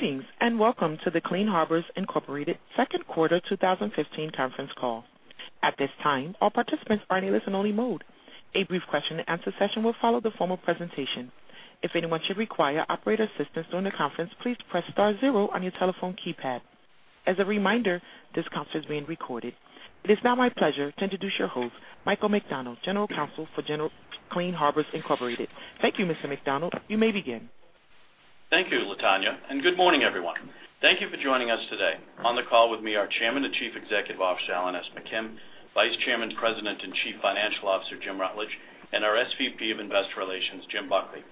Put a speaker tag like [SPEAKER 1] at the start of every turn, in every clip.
[SPEAKER 1] Greetings and welcome to the Clean Harbors Incorporated second quarter 2015 conference call. At this time, all participants are in a listen-only mode. A brief question-and-answer session will follow the formal presentation. If anyone should require operator assistance during the conference, please press star zero on your telephone keypad. As a reminder, this conference is being recorded. It is now my pleasure to introduce your host, Michael McDonald, General Counsel for Clean Harbors Incorporated. Thank you, Mr. McDonald. You may begin.
[SPEAKER 2] Thank you, LaTonya, and good morning, everyone. Thank you for joining us today. On the call with me are Chairman and Chief Executive Officer Alan S. McKim, Vice Chairman, President, and Chief Financial Officer Jim Rutledge, and our SVP of Investor Relations, Jim Buckley.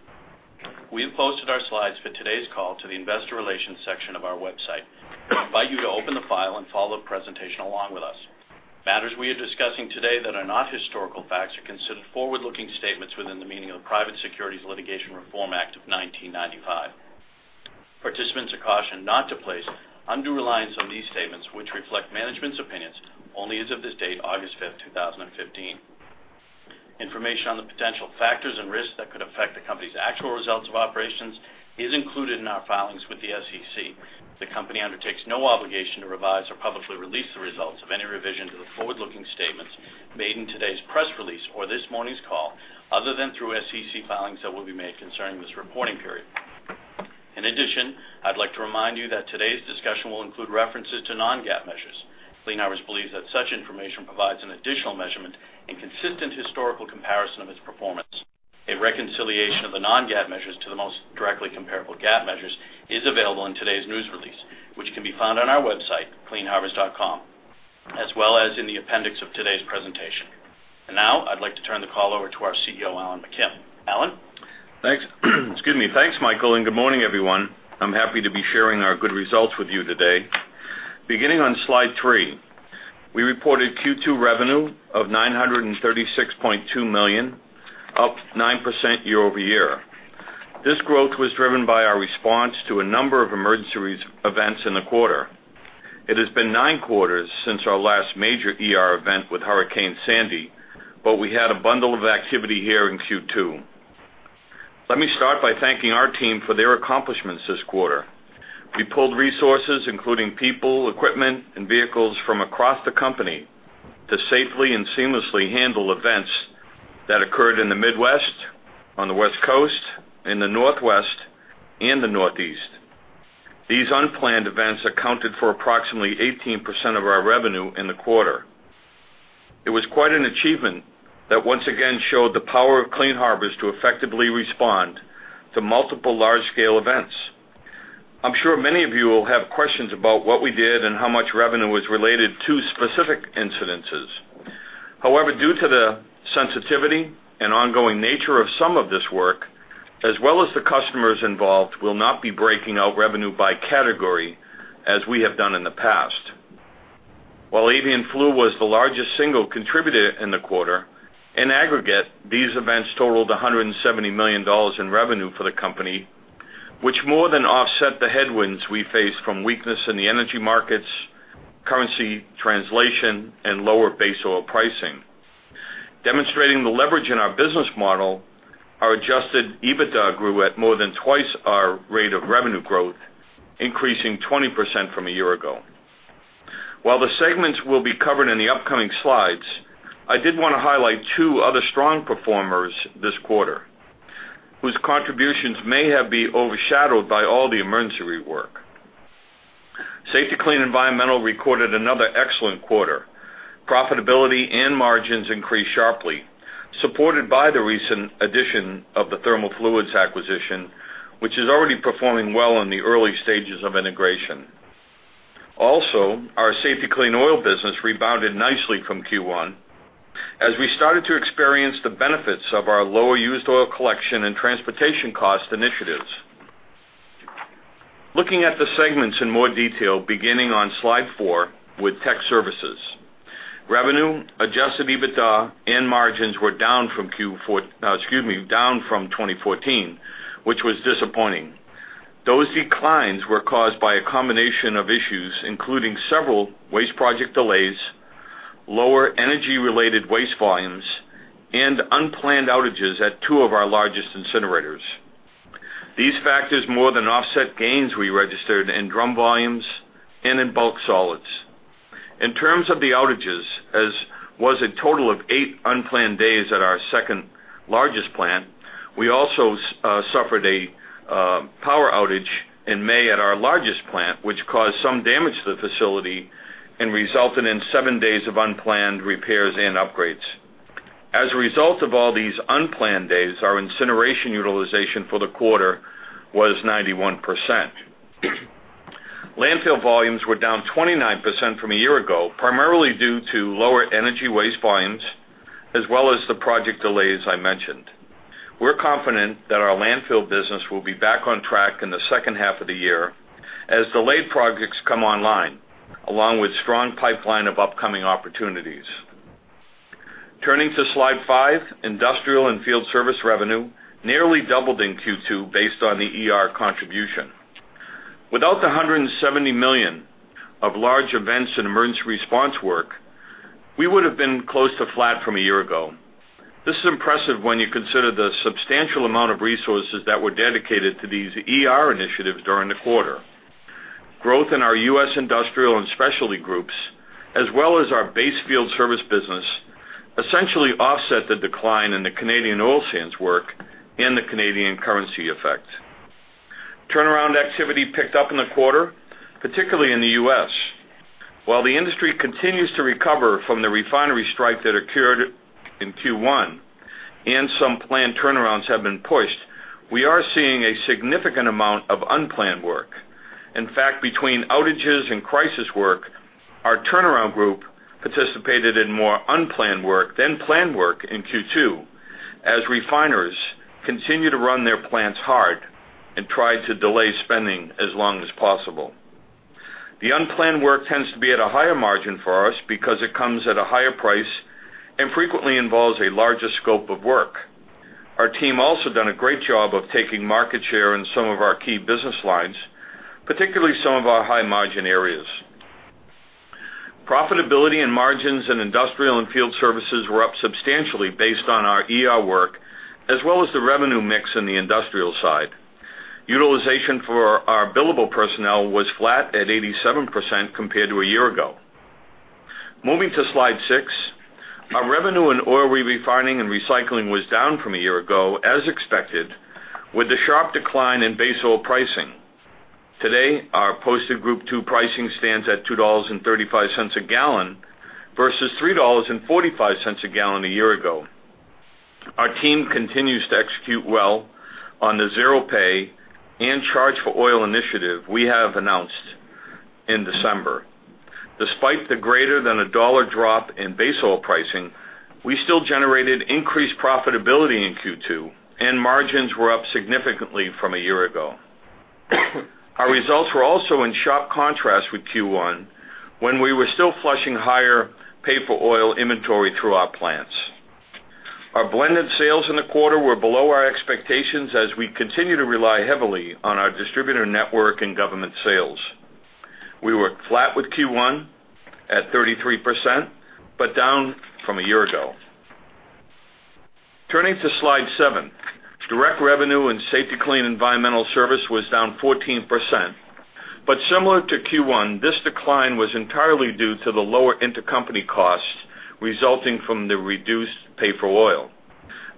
[SPEAKER 2] We've posted our slides for today's call to the Investor Relations section of our website. I invite you to open the file and follow the presentation along with us. Matters we are discussing today that are not historical facts are considered forward-looking statements within the meaning of the Private Securities Litigation Reform Act of 1995. Participants are cautioned not to place undue reliance on these statements, which reflect management's opinions only as of this date, August 5th, 2015. Information on the potential factors and risks that could affect the company's actual results of operations is included in our filings with the SEC. The company undertakes no obligation to revise or publicly release the results of any revision to the forward-looking statements made in today's press release or this morning's call, other than through SEC filings that will be made concerning this reporting period. In addition, I'd like to remind you that today's discussion will include references to non-GAAP measures. Clean Harbors believes that such information provides an additional measurement and consistent historical comparison of its performance. A reconciliation of the non-GAAP measures to the most directly comparable GAAP measures is available in today's news release, which can be found on our website, cleanharbors.com, as well as in the appendix of today's presentation. Now, I'd like to turn the call over to our CEO, Alan McKim. Alan?
[SPEAKER 3] Thanks. Excuse me. Thanks, Michael, and good morning, everyone. I'm happy to be sharing our good results with you today. Beginning on slide 3, we reported Q2 revenue of $936.2 million, up 9% year-over-year. This growth was driven by our response to a number of emergency events in the quarter. It has been nine quarters since our last major event with Hurricane Sandy, but we had a bundle of activity here in Q2. Let me start by thanking our team for their accomplishments this quarter. We pulled resources, including people, equipment, and vehicles from across the company to safely and seamlessly handle events that occurred in the Midwest, on the West Coast, in the Northwest, and the Northeast. These unplanned events accounted for approximately 18% of our revenue in the quarter. It was quite an achievement that once again showed the power of Clean Harbors to effectively respond to multiple large-scale events. I'm sure many of you will have questions about what we did and how much revenue was related to specific incidents. However, due to the sensitivity and ongoing nature of some of this work, as well as the customers involved, we'll not be breaking out revenue by category as we have done in the past. While Avian Flu was the largest single contributor in the quarter, in aggregate, these events totaled $170 million in revenue for the company, which more than offset the headwinds we faced from weakness in the energy markets, currency translation, and lower base oil pricing. Demonstrating the leverage in our business model, our Adjusted EBITDA grew at more than twice our rate of revenue growth, increasing 20% from a year ago. While the segments will be covered in the upcoming slides, I did want to highlight two other strong performers this quarter, whose contributions may have been overshadowed by all the emergency work. Safety-Kleen Environmental recorded another excellent quarter. Profitability and margins increased sharply, supported by the recent addition of the Thermo Fluids acquisition, which is already performing well in the early stages of integration. Also, our Safety-Kleen Oil business rebounded nicely from Q1 as we started to experience the benefits of our lower used oil collection and transportation cost initiatives. Looking at the segments in more detail, beginning on slide four with Tech Services, revenue, adjusted EBITDA, and margins were down from Q4, excuse me, down from 2014, which was disappointing. Those declines were caused by a combination of issues, including several waste project delays, lower energy-related waste volumes, and unplanned outages at two of our largest incinerators. These factors more than offset gains we registered in drum volumes and in bulk solids. In terms of the outages, there was a total of 8 unplanned days at our second largest plant. We also suffered a power outage in May at our largest plant, which caused some damage to the facility and resulted in seven days of unplanned repairs and upgrades. As a result of all these unplanned days, our incineration utilization for the quarter was 91%. Landfill volumes were down 29% from a year ago, primarily due to lower energy waste volumes, as well as the project delays I mentioned. We're confident that our landfill business will be back on track in the second half of the year as delayed projects come online, along with a strong pipeline of upcoming opportunities. Turning to slide 5, Industrial and Field Services revenue nearly doubled in Q2 based on the contribution. Without the $170 million of large events and emergency response work, we would have been close to flat from a year ago. This is impressive when you consider the substantial amount of resources that were dedicated to these initiatives during the quarter. Growth in our U.S. industrial and specialty groups, as well as our base field service business, essentially offset the decline in the Canadian oil sands work and the Canadian currency effect. Turnaround activity picked up in the quarter, particularly in the U.S. While the industry continues to recover from the refinery strike that occurred in Q1 and some planned turnarounds have been pushed, we are seeing a significant amount of unplanned work. In fact, between outages and crisis work, our turnaround group participated in more unplanned work than planned work in Q2 as refiners continue to run their plants hard and try to delay spending as long as possible. The unplanned work tends to be at a higher margin for us because it comes at a higher price and frequently involves a larger scope of work. Our team also done a great job of taking market share in some of our key business lines, particularly some of our high-margin areas. Profitability and margins in industrial and field services were up substantially based on our work, as well as the revenue mix in the industrial side. Utilization for our billable personnel was flat at 87% compared to a year ago. Moving to slide 6, our revenue in Oil Refining and Recycling was down from a year ago, as expected, with a sharp decline in base oil pricing. Today, our posted Group II pricing stands at $2.35 a gallon versus $3.45 a gallon a year ago. Our team continues to execute well on the zero pay-for-oil and charge-for-oil initiative we have announced in December. Despite the greater than a dollar drop in base oil pricing, we still generated increased profitability in Q2, and margins were up significantly from a year ago. Our results were also in sharp contrast with Q1 when we were still flushing higher pay-for-oil inventory through our plants. Our blended sales in the quarter were below our expectations as we continue to rely heavily on our distributor network and government sales. We were flat with Q1 at 33%, but down from a year ago. Turning to slide 7, direct revenue in Safety-Kleen Environmental Services was down 14%. But similar to Q1, this decline was entirely due to the lower intercompany costs resulting from the reduced pay for oil.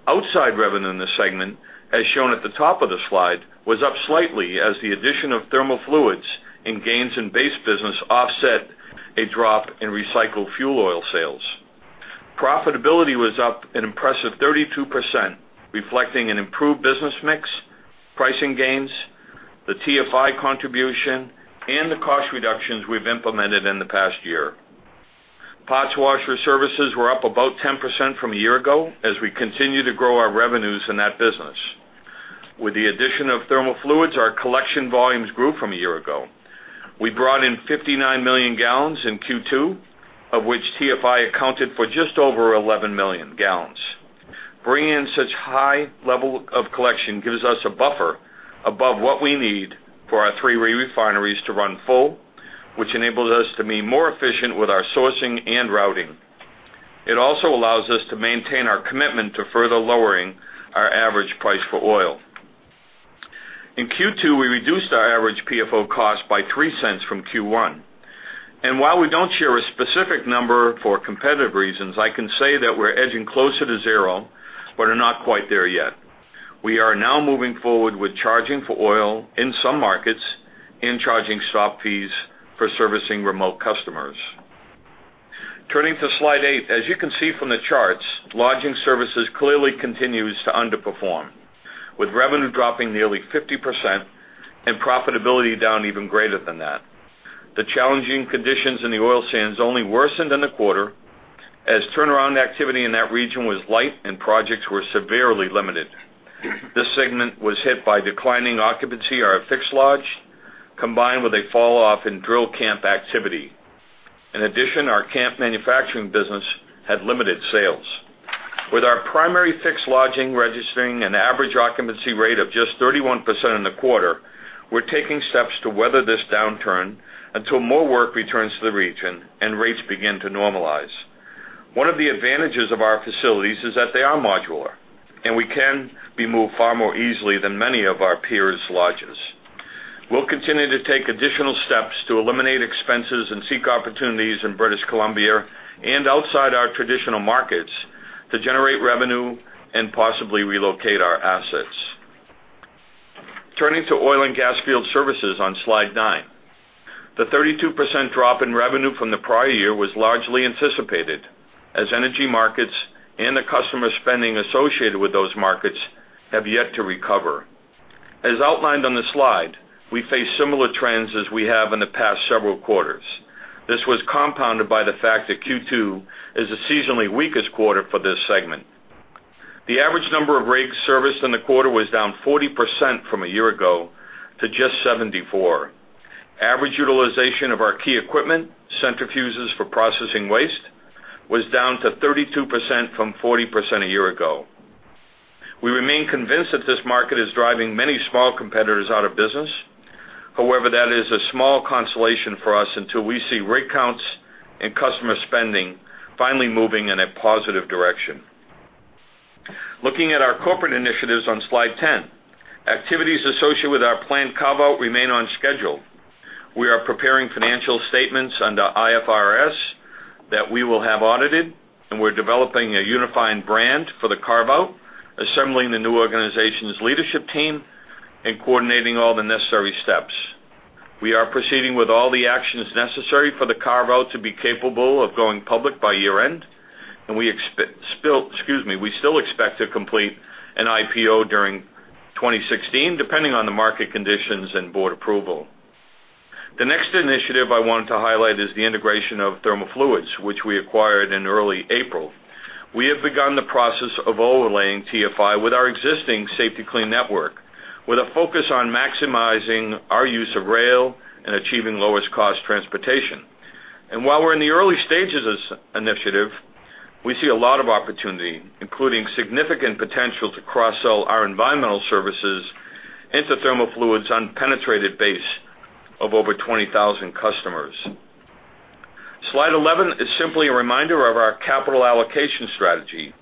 [SPEAKER 3] Outside revenue in the segment, as shown at the top of the slide, was up slightly as the addition of Thermo Fluids and gains in base business offset a drop in recycled fuel oil sales. Profitability was up an impressive 32%, reflecting an improved business mix, pricing gains, the TFI contribution, and the cost reductions we've implemented in the past year. Parts washers services were up about 10% from a year ago as we continue to grow our revenues in that business. With the addition of Thermo Fluids, our collection volumes grew from a year ago. We brought in 59 million gallons in Q2, of which TFI accounted for just over 11 million gallons. Bringing in such high levels of collection gives us a buffer above what we need for our three refineries to run full, which enables us to be more efficient with our sourcing and routing. It also allows us to maintain our commitment to further lowering our average price for oil. In Q2, we reduced our average PFO cost by $0.03 from Q1. And while we don't share a specific number for competitive reasons, I can say that we're edging closer to zero, but we're not quite there yet. We are now moving forward with charging for oil in some markets and charging stop fees for servicing remote customers. Turning to slide eight, as you can see from the charts, Lodging Services clearly continue to underperform, with revenue dropping nearly 50% and profitability down even greater than that. The challenging conditions in the oil sands only worsened in the quarter as turnaround activity in that region was light and projects were severely limited. This segment was hit by declining occupancy or a fixed lodge, combined with a falloff in drill camp activity. In addition, our camp manufacturing business had limited sales. With our primary fixed lodging registering an average occupancy rate of just 31% in the quarter, we're taking steps to weather this downturn until more work returns to the region and rates begin to normalize. One of the advantages of our facilities is that they are modular, and we can be moved far more easily than many of our peers' lodges. We'll continue to take additional steps to eliminate expenses and seek opportunities in British Columbia and outside our traditional markets to generate revenue and possibly relocate our assets. Turning to Oil and Gas Field Services on slide 9, the 32% drop in revenue from the prior year was largely anticipated as energy markets and the customer spending associated with those markets have yet to recover. As outlined on the slide, we face similar trends as we have in the past several quarters. This was compounded by the fact that Q2 is the seasonally weakest quarter for this segment. The average number of rigs serviced in the quarter was down 40% from a year ago to just 74. Average utilization of our key equipment, centrifuges for processing waste, was down to 32% from 40% a year ago. We remain convinced that this market is driving many small competitors out of business. However, that is a small consolation for us until we see rig counts and customer spending finally moving in a positive direction. Looking at our corporate initiatives on slide 10, activities associated with our planned carve-out remain on schedule. We are preparing financial statements under IFRS that we will have audited, and we're developing a unifying brand for the carve-out, assembling the new organization's leadership team, and coordinating all the necessary steps. We are proceeding with all the actions necessary for the carve-out to be capable of going public by year-end, and we still expect to complete an IPO during 2016, depending on the market conditions and board approval. The next initiative I want to highlight is the integration of Thermo Fluids, which we acquired in early April. We have begun the process of overlaying TFI with our existing Safety-Kleen network, with a focus on maximizing our use of rail and achieving lowest-cost transportation. While we're in the early stages of this initiative, we see a lot of opportunity, including significant potential to cross-sell our environmental services into Thermo Fluids on a penetrated base of over 20,000 customers. Slide 11 is simply a reminder of our capital allocation strategy.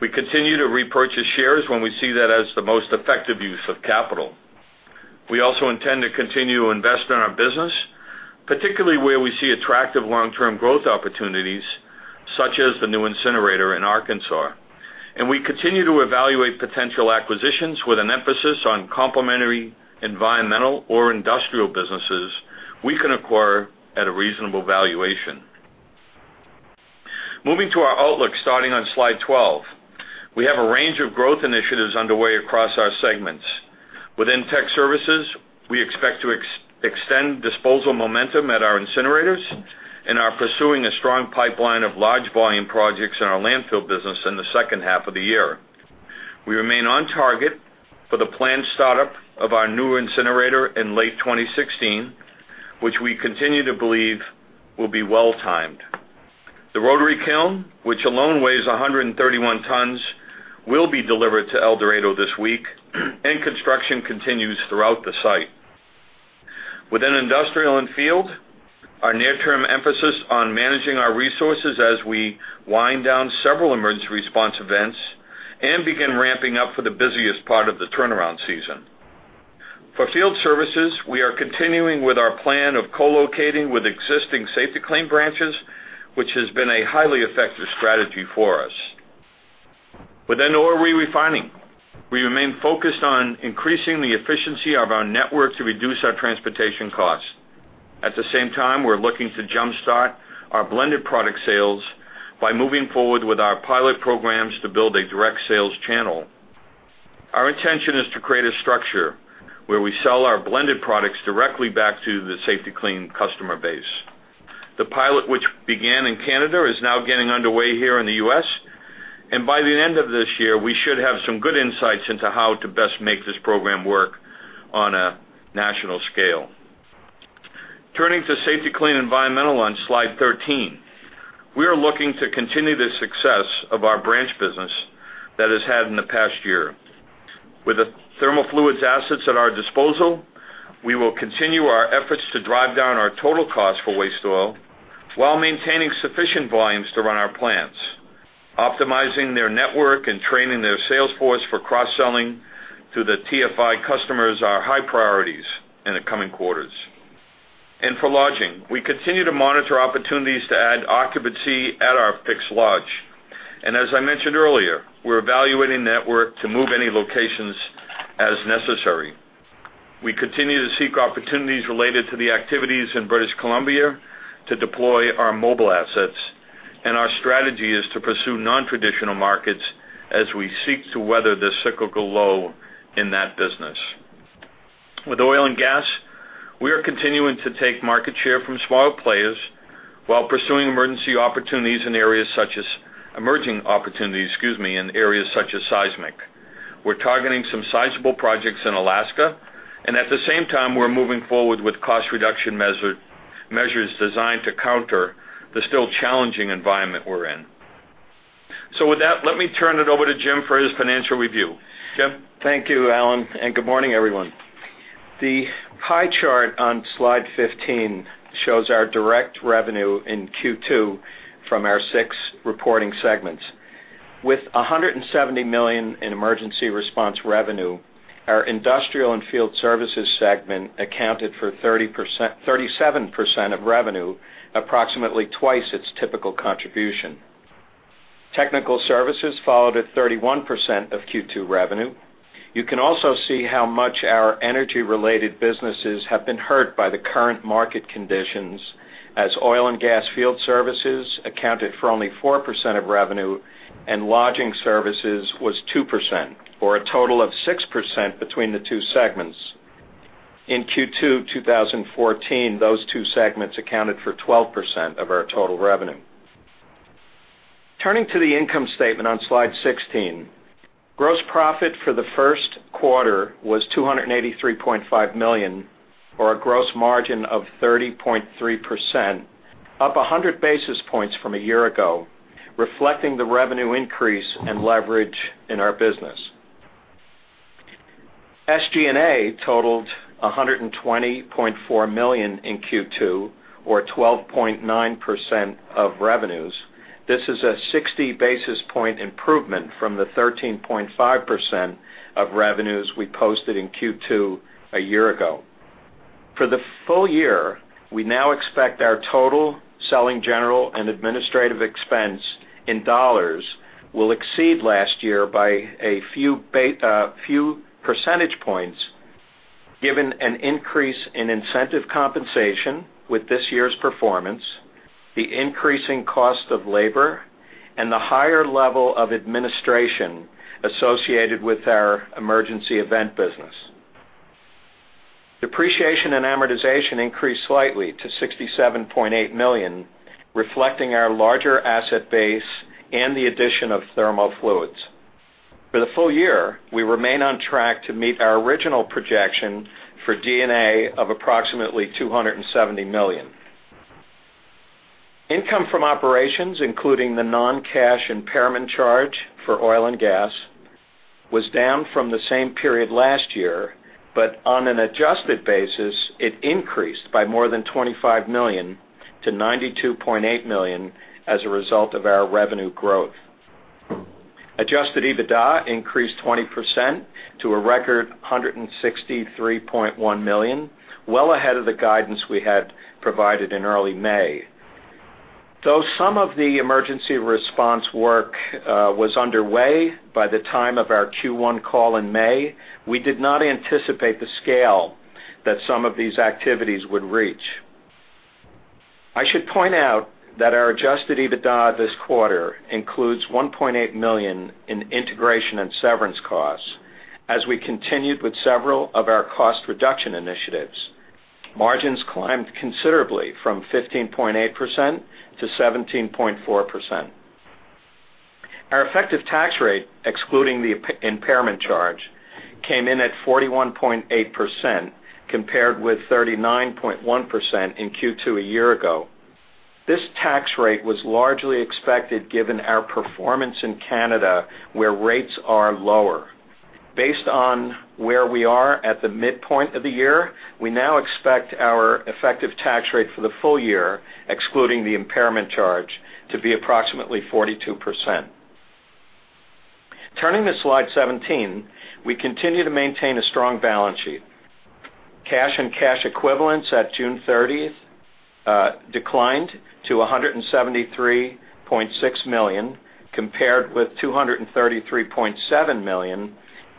[SPEAKER 3] We continue to repurchase shares when we see that as the most effective use of capital. We also intend to continue to invest in our business, particularly where we see attractive long-term growth opportunities, such as the new incinerator in Arkansas. We continue to evaluate potential acquisitions with an emphasis on complementary environmental or industrial businesses we can acquire at a reasonable valuation. Moving to our outlook starting on slide 12, we have a range of growth initiatives underway across our segments. Within tech services, we expect to extend disposal momentum at our incinerators, and are pursuing a strong pipeline of large volume projects in our landfill business in the second half of the year. We remain on target for the planned startup of our new incinerator in late 2016, which we continue to believe will be well-timed. The rotary kiln, which alone weighs 131 tons, will be delivered to El Dorado this week, and construction continues throughout the site. Within industrial and field, our near-term emphasis is on managing our resources as we wind down several emergency response events and begin ramping up for the busiest part of the turnaround season. For field services, we are continuing with our plan of co-locating with existing Safety-Kleen branches, which has been a highly effective strategy for us. Within oil refining, we remain focused on increasing the efficiency of our network to reduce our transportation costs. At the same time, we're looking to jump-start our blended product sales by moving forward with our pilot programs to build a direct sales channel. Our intention is to create a structure where we sell our blended products directly back to the Safety-Kleen customer base. The pilot, which began in Canada, is now getting underway here in the U.S., and by the end of this year, we should have some good insights into how to best make this program work on a national scale. Turning to Safety-Kleen Environmental on slide 13, we are looking to continue the success of our branch business that has had in the past year. With the Thermo Fluids assets at our disposal, we will continue our efforts to drive down our total cost for waste oil while maintaining sufficient volumes to run our plants, optimizing their network and training their sales force for cross-selling to the TFI customers, are high priorities in the coming quarters. For lodging, we continue to monitor opportunities to add occupancy at our fixed lodge. As I mentioned earlier, we're evaluating the network to move any locations as necessary. We continue to seek opportunities related to the activities in British Columbia to deploy our mobile assets, and our strategy is to pursue non-traditional markets as we seek to weather the cyclical low in that business. With oil and gas, we are continuing to take market share from small players while pursuing emergency opportunities in areas such as seismic. We're targeting some sizable projects in Alaska, and at the same time, we're moving forward with cost reduction measures designed to counter the still challenging environment we're in. So with that, let me turn it over to Jim for his financial review. Jim.
[SPEAKER 4] Thank you, Alan, and good morning, everyone. The pie chart on slide 15 shows our direct revenue in Q2 from our six reporting segments. With $170 million in emergency response revenue, our industrial and field services segment accounted for 37% of revenue, approximately twice its typical contribution. Technical Services followed at 31% of Q2 revenue. You can also see how much our energy-related businesses have been hurt by the current market conditions, as oil and gas field services accounted for only 4% of revenue, and lodging services was 2%, or a total of 6% between the two segments. In Q2 2014, those two segments accounted for 12% of our total revenue. Turning to the income statement on slide 16, gross profit for the first quarter was $283.5 million, or a gross margin of 30.3%, up 100 basis points from a year ago, reflecting the revenue increase and leverage in our business. SG&A totaled $120.4 million in Q2, or 12.9% of revenues. This is a 60 basis point improvement from the 13.5% of revenues we posted in Q2 a year ago. For the full year, we now expect our total selling general and administrative expense in dollars will exceed last year by a few percentage points, given an increase in incentive compensation with this year's performance, the increasing cost of labor, and the higher level of administration associated with our emergency event business. Depreciation and amortization increased slightly to $67.8 million, reflecting our larger asset base and the addition of Thermo Fluids. For the full year, we remain on track to meet our original projection for D&A of approximately $270 million. Income from operations, including the non-cash impairment charge for oil and gas, was down from the same period last year, but on an adjusted basis, it increased by more than $25 million to $92.8 million as a result of our revenue growth. Adjusted EBITDA increased 20% to a record $163.1 million, well ahead of the guidance we had provided in early May. Though some of the emergency response work was underway by the time of our Q1 call in May, we did not anticipate the scale that some of these activities would reach. I should point out that our adjusted EBITDA this quarter includes $1.8 million in integration and severance costs. As we continued with several of our cost reduction initiatives, margins climbed considerably from 15.8%-17.4%. Our effective tax rate, excluding the impairment charge, came in at 41.8%, compared with 39.1% in Q2 a year ago. This tax rate was largely expected given our performance in Canada, where rates are lower. Based on where we are at the midpoint of the year, we now expect our effective tax rate for the full year, excluding the impairment charge, to be approximately 42%. Turning to slide 17, we continue to maintain a strong balance sheet. Cash and cash equivalents at June 30th declined to $173.6 million, compared with $233.7 million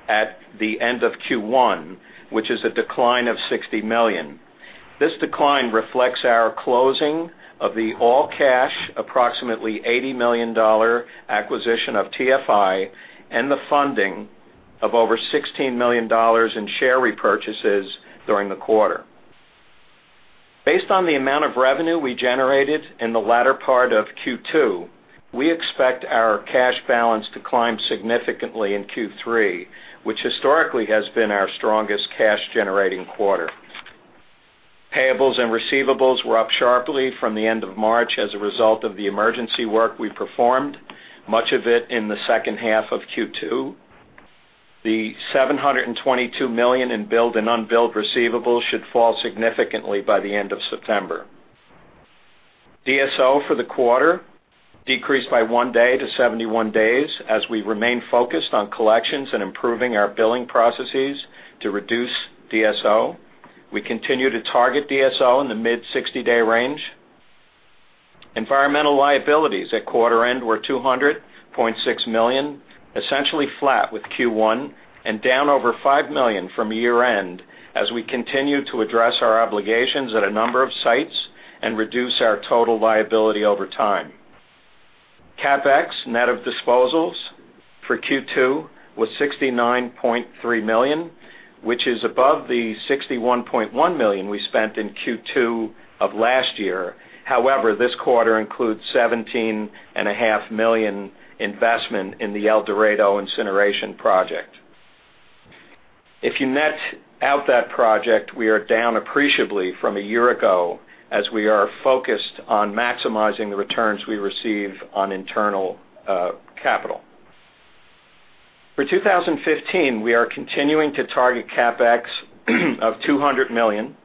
[SPEAKER 4] at the end of Q1, which is a decline of $60 million. This decline reflects our closing of the all-cash, approximately $80 million acquisition of TFI and the funding of over $16 million in share repurchases during the quarter. Based on the amount of revenue we generated in the latter part of Q2, we expect our cash balance to climb significantly in Q3, which historically has been our strongest cash-generating quarter. Payables and receivables were up sharply from the end of March as a result of the emergency work we performed, much of it in the second half of Q2. The $722 million in billed and unbilled receivables should fall significantly by the end of September. DSO for the quarter decreased by one day to 71 days as we remain focused on collections and improving our billing processes to reduce DSO. We continue to target DSO in the mid-60-day range. Environmental liabilities at quarter-end were $200.6 million, essentially flat with Q1, and down over $5 million from year-end as we continue to address our obligations at a number of sites and reduce our total liability over time. CapEx, net of disposals for Q2, was $69.3 million, which is above the $61.1 million we spent in Q2 of last year. However, this quarter includes $17.5 million investment in the El Dorado incineration project. If you net out that project, we are down appreciably from a year ago as we are focused on maximizing the returns we receive on internal capital. For 2015, we are continuing to target CapEx of $200 million,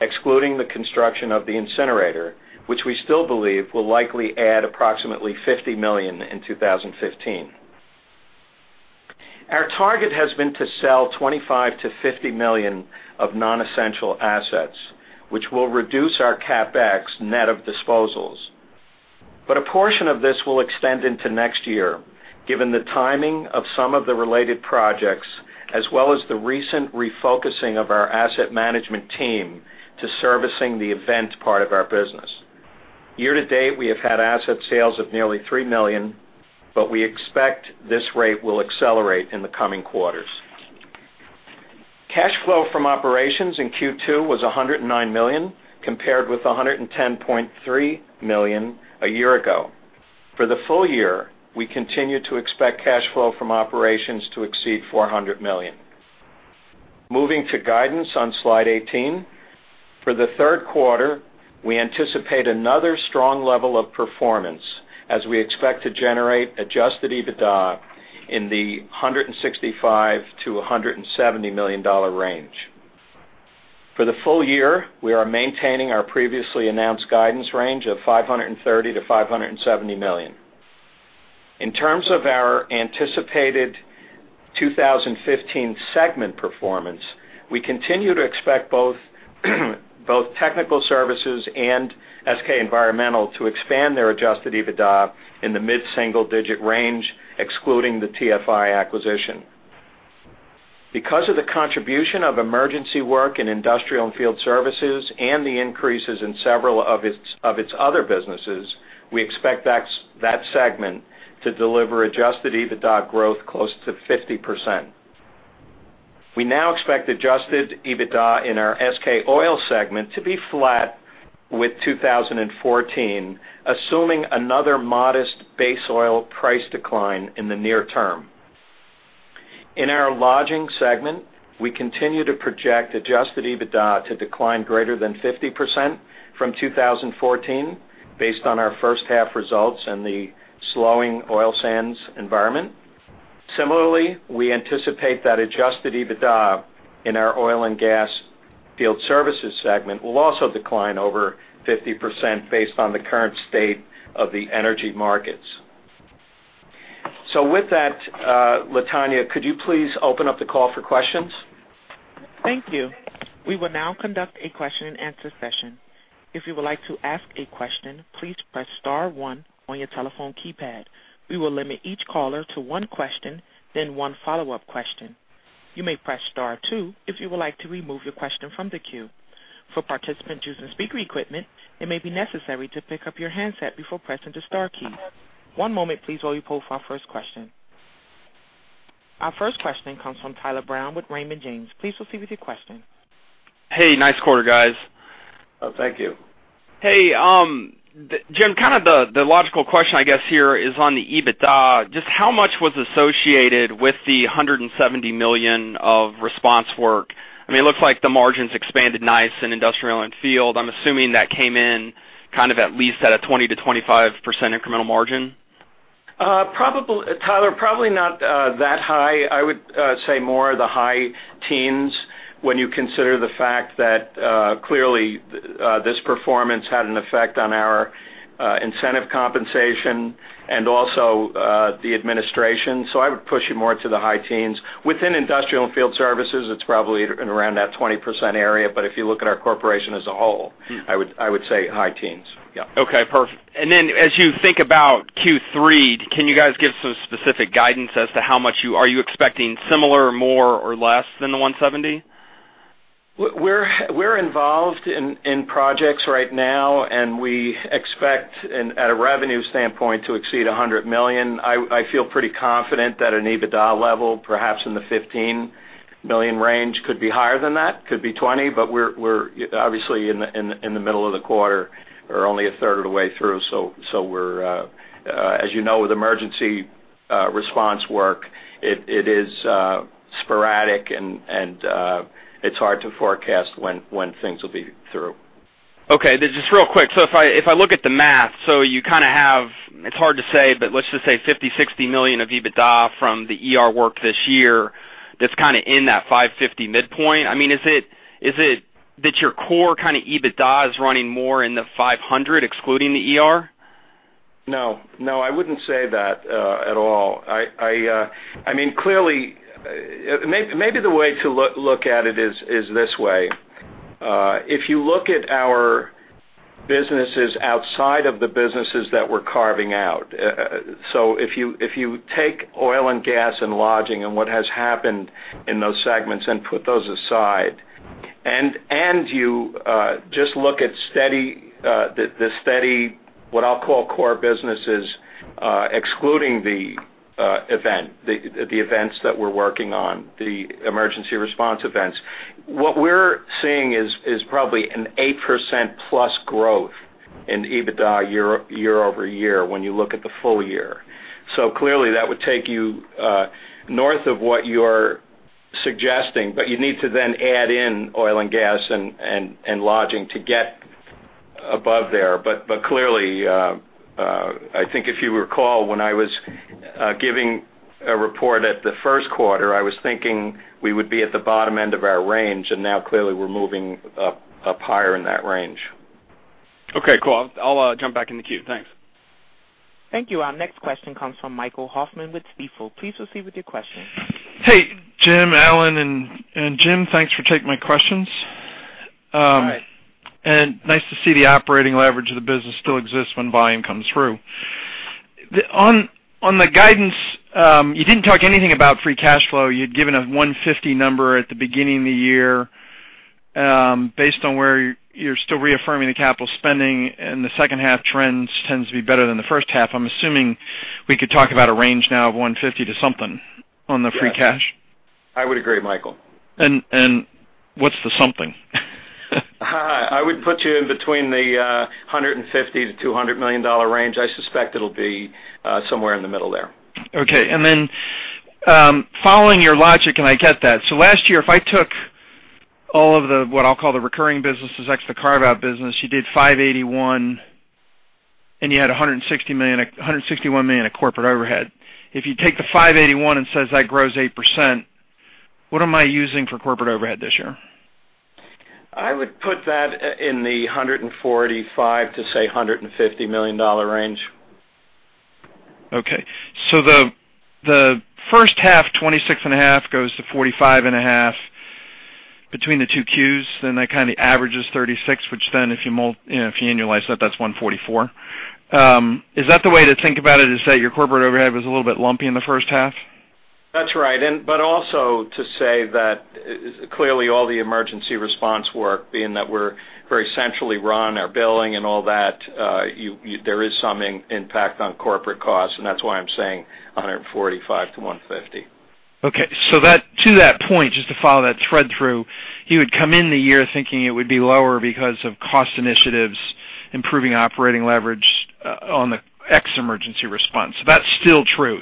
[SPEAKER 4] excluding the construction of the incinerator, which we still believe will likely add approximately $50 million in 2015. Our target has been to sell $25 million-$50 million of non-essential assets, which will reduce our CapEx net of disposals. But a portion of this will extend into next year, given the timing of some of the related projects, as well as the recent refocusing of our asset management team to servicing the event part of our business. Year to date, we have had asset sales of nearly $3 million, but we expect this rate will accelerate in the coming quarters. Cash flow from operations in Q2 was $109 million, compared with $110.3 million a year ago. For the full year, we continue to expect cash flow from operations to exceed $400 million. Moving to guidance on slide 18, for the third quarter, we anticipate another strong level of performance as we expect to generate Adjusted EBITDA in the $165 million-$170 million range. For the full year, we are maintaining our previously announced guidance range of $530 million-$570 million. In terms of our anticipated 2015 segment performance, we continue to expect both Technical Services and SK Environmental to expand their Adjusted EBITDA in the mid-single-digit range, excluding the TFI acquisition. Because of the contribution of emergency work in industrial and field services and the increases in several of its other businesses, we expect that segment to deliver Adjusted EBITDA growth close to 50%. We now expect Adjusted EBITDA in our SK Oil segment to be flat with 2014, assuming another modest base oil price decline in the near term. In our lodging segment, we continue to project Adjusted EBITDA to decline greater than 50% from 2014, based on our first-half results and the slowing oil sands environment. Similarly, we anticipate that Adjusted EBITDA in our oil and gas field services segment will also decline over 50% based on the current state of the energy markets. So with that, LaTonya, could you please open up the call for questions?
[SPEAKER 1] Thank you. We will now conduct a question-and-answer session. If you would like to ask a question, please press star one on your telephone keypad. We will limit each caller to one question, then one follow-up question. You may press star two if you would like to remove your question from the queue. For participants using speaker equipment, it may be necessary to pick up your handset before pressing the star key. One moment, please, while we pull for our first question. Our first question comes from Tyler Brown with Raymond James. Please proceed with your question.
[SPEAKER 5] Hey, nice quarter, guys.
[SPEAKER 3] Oh, thank you.
[SPEAKER 5] Hey, Jim, kind of the logical question, I guess, here is on the EBITDA. Just how much was associated with the $170 million of response work? I mean, it looks like the margins expanded nice in industrial and field. I'm assuming that came in kind of at least at a 20%-25% incremental margin.
[SPEAKER 4] Tyler, probably not that high. I would say more of the high teens when you consider the fact that clearly this performance had an effect on our incentive compensation and also the administration. So I would push you more to the high teens. Within industrial and field services, it's probably around that 20% area, but if you look at our corporation as a whole, I would say high teens.
[SPEAKER 5] Yeah. Okay, perfect. And then as you think about Q3, can you guys give some specific guidance as to how much are you expecting similar, more, or less than the 170?
[SPEAKER 4] We're involved in projects right now, and we expect, at a revenue standpoint, to exceed $100 million. I feel pretty confident that an EBITDA level, perhaps in the $15 million range, could be higher than that, could be $20 million, but we're obviously in the middle of the quarter or only a third of the way through. So as you know, with emergency response work, it is sporadic, and it's hard to forecast when things will be through.
[SPEAKER 5] Okay, just real quick. So if I look at the math, so you kind of have, it's hard to say, but let's just say $50 million-$60 million of EBITDA from the work this year, that's kind of in that $550 million midpoint. I mean, is it that your core kind of EBITDA is running more in the $500 million, excluding the
[SPEAKER 4] No, no, I wouldn't say that at all. I mean, clearly, maybe the way to look at it is this way. If you look at our businesses outside of the businesses that we're carving out, so if you take oil and gas and lodging and what has happened in those segments and put those aside, and you just look at the steady, what I'll call core businesses, excluding the event, the events that we're working on, the emergency response events, what we're seeing is probably an 8%+ growth in EBITDA year-over-year when you look at the full year. So clearly, that would take you north of what you're suggesting, but you need to then add in oil and gas and lodging to get above there. But clearly, I think if you recall, when I was giving a report at the first quarter, I was thinking we would be at the bottom end of our range, and now clearly we're moving up higher in that range.
[SPEAKER 5] Okay, cool. I'll jump back in the queue. Thanks.
[SPEAKER 1] Thank you. Our next question comes from Michael Hoffman with Stifel. Please proceed with your question.
[SPEAKER 6] Hey, Jim, Alan, and Jim, thanks for taking my questions. Nice to see the operating leverage of the business still exists when volume comes through. On the guidance, you didn't talk anything about free cash flow. You had given a $150 number at the beginning of the year. Based on where you're still reaffirming the capital spending and the second-half trends tends to be better than the first half, I'm assuming we could talk about a range now of $150 to something on the free cash.
[SPEAKER 4] I would agree, Michael.
[SPEAKER 6] What's the something?
[SPEAKER 4] I would put you in between the $150 million-$200 million range. I suspect it'll be somewhere in the middle there.
[SPEAKER 6] Okay. And then following your logic, and I get that. So last year, if I took all of the what I'll call the recurring businesses ex the carve-out business, you did $581, and you had $161 million of corporate overhead. If you take the $581 and say that grows 8%, what am I using for corporate overhead this year?
[SPEAKER 4] I would put that in the $145 million to, say, $150 million range.
[SPEAKER 6] Okay. So the first half, $26.5, goes to $45.5 between the two Q's, then that kind of averages $36, which then if you annualize that, that's $144. Is that the way to think about it, is that your corporate overhead was a little bit lumpy in the first half?
[SPEAKER 4] That's right. But also to say that clearly all the emergency response work, being that we're very centrally run or billing and all that, there is some impact on corporate costs, and that's why I'm saying $145 million-$150 million.
[SPEAKER 6] Okay. To that point, just to follow that thread through, you would come in the year thinking it would be lower because of cost initiatives improving operating leverage on the ex-emergency response.
[SPEAKER 4] That's still true.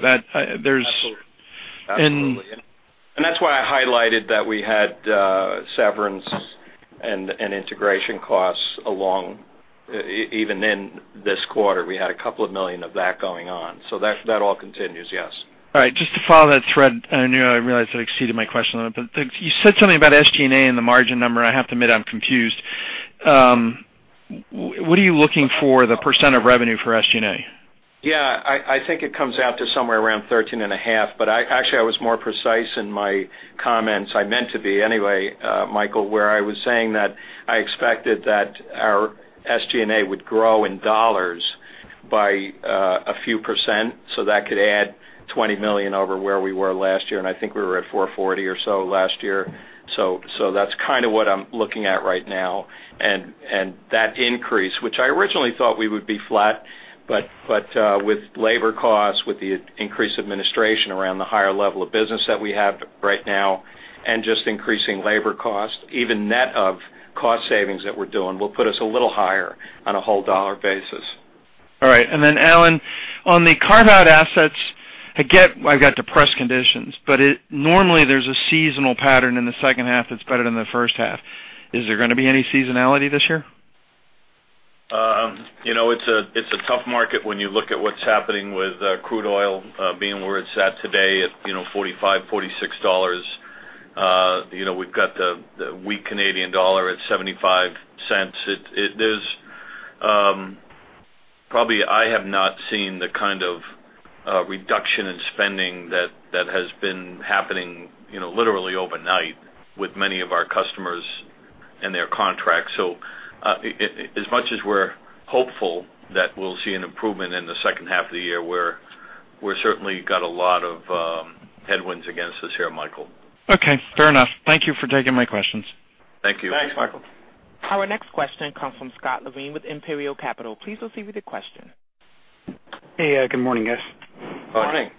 [SPEAKER 3] Absolutely. And that's why I highlighted that we had severance and integration costs along even in this quarter. We had a couple of million of that going on. So that all continues, yes.
[SPEAKER 6] All right. Just to follow that thread, I realize I exceeded my question, but you said something about SG&A and the margin number. I have to admit I'm confused. What are you looking for, the percentage of revenue for SG&A?
[SPEAKER 3] Yeah. I think it comes out to somewhere around 13.5, but actually I was more precise in my comments. I meant to be anyway, Michael, where I was saying that I expected that our SG&A would grow in dollars by a few percent, so that could add $20 million over where we were last year, and I think we were at $440 or so last year. So that's kind of what I'm looking at right now. And that increase, which I originally thought we would be flat, but with labor costs, with the increased administration around the higher level of business that we have right now, and just increasing labor costs, even net of cost savings that we're doing, will put us a little higher on a whole dollar basis.
[SPEAKER 6] All right. And then Alan, on the carve-out assets, I get I've got depressed conditions, but normally there's a seasonal pattern in the second half that's better than the first half. Is there going to be any seasonality this year?
[SPEAKER 3] It's a tough market when you look at what's happening with crude oil being where it's at today at $45-$46. We've got the weak Canadian dollar at $0.75. Probably I have not seen the kind of reduction in spending that has been happening literally overnight with many of our customers and their contracts. So as much as we're hopeful that we'll see an improvement in the second half of the year, we're certainly got a lot of headwinds against us here, Michael.
[SPEAKER 6] Okay. Fair enough. Thank you for taking my questions.
[SPEAKER 4] Thank you.
[SPEAKER 3] Thanks, Michael.
[SPEAKER 1] Our next question comes from Scott Levine with Imperial Capital. Please proceed with your question.
[SPEAKER 7] Hey, good morning, guys.
[SPEAKER 4] Good morning.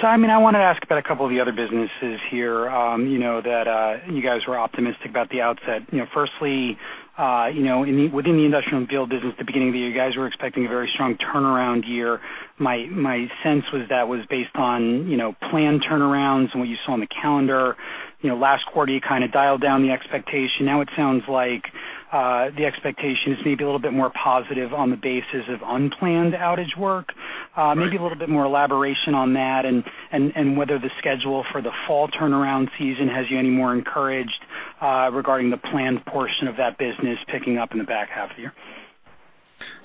[SPEAKER 7] So, I mean, I wanted to ask about a couple of the other businesses here that you guys were optimistic about at the outset. Firstly, within the industrial and field business, at the beginning of the year, you guys were expecting a very strong turnaround year. My sense was that was based on planned turnarounds and what you saw on the calendar. Last quarter, you kind of dialed down the expectation. Now it sounds like the expectation is maybe a little bit more positive on the basis of unplanned outage work. Maybe a little bit more elaboration on that and whether the schedule for the fall turnaround season has you any more encouraged regarding the planned portion of that business picking up in the back half of the year?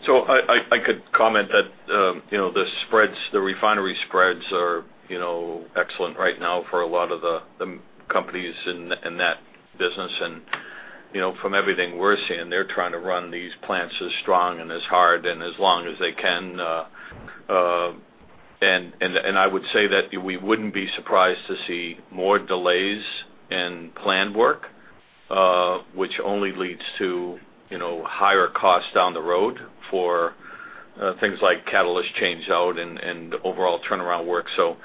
[SPEAKER 3] So I could comment that the refinery spreads are excellent right now for a lot of the companies in that business. And from everything we're seeing, they're trying to run these plants as strong and as hard and as long as they can. And I would say that we wouldn't be surprised to see more delays in planned work, which only leads to higher costs down the road for things like catalyst changeout and overall turnaround work. So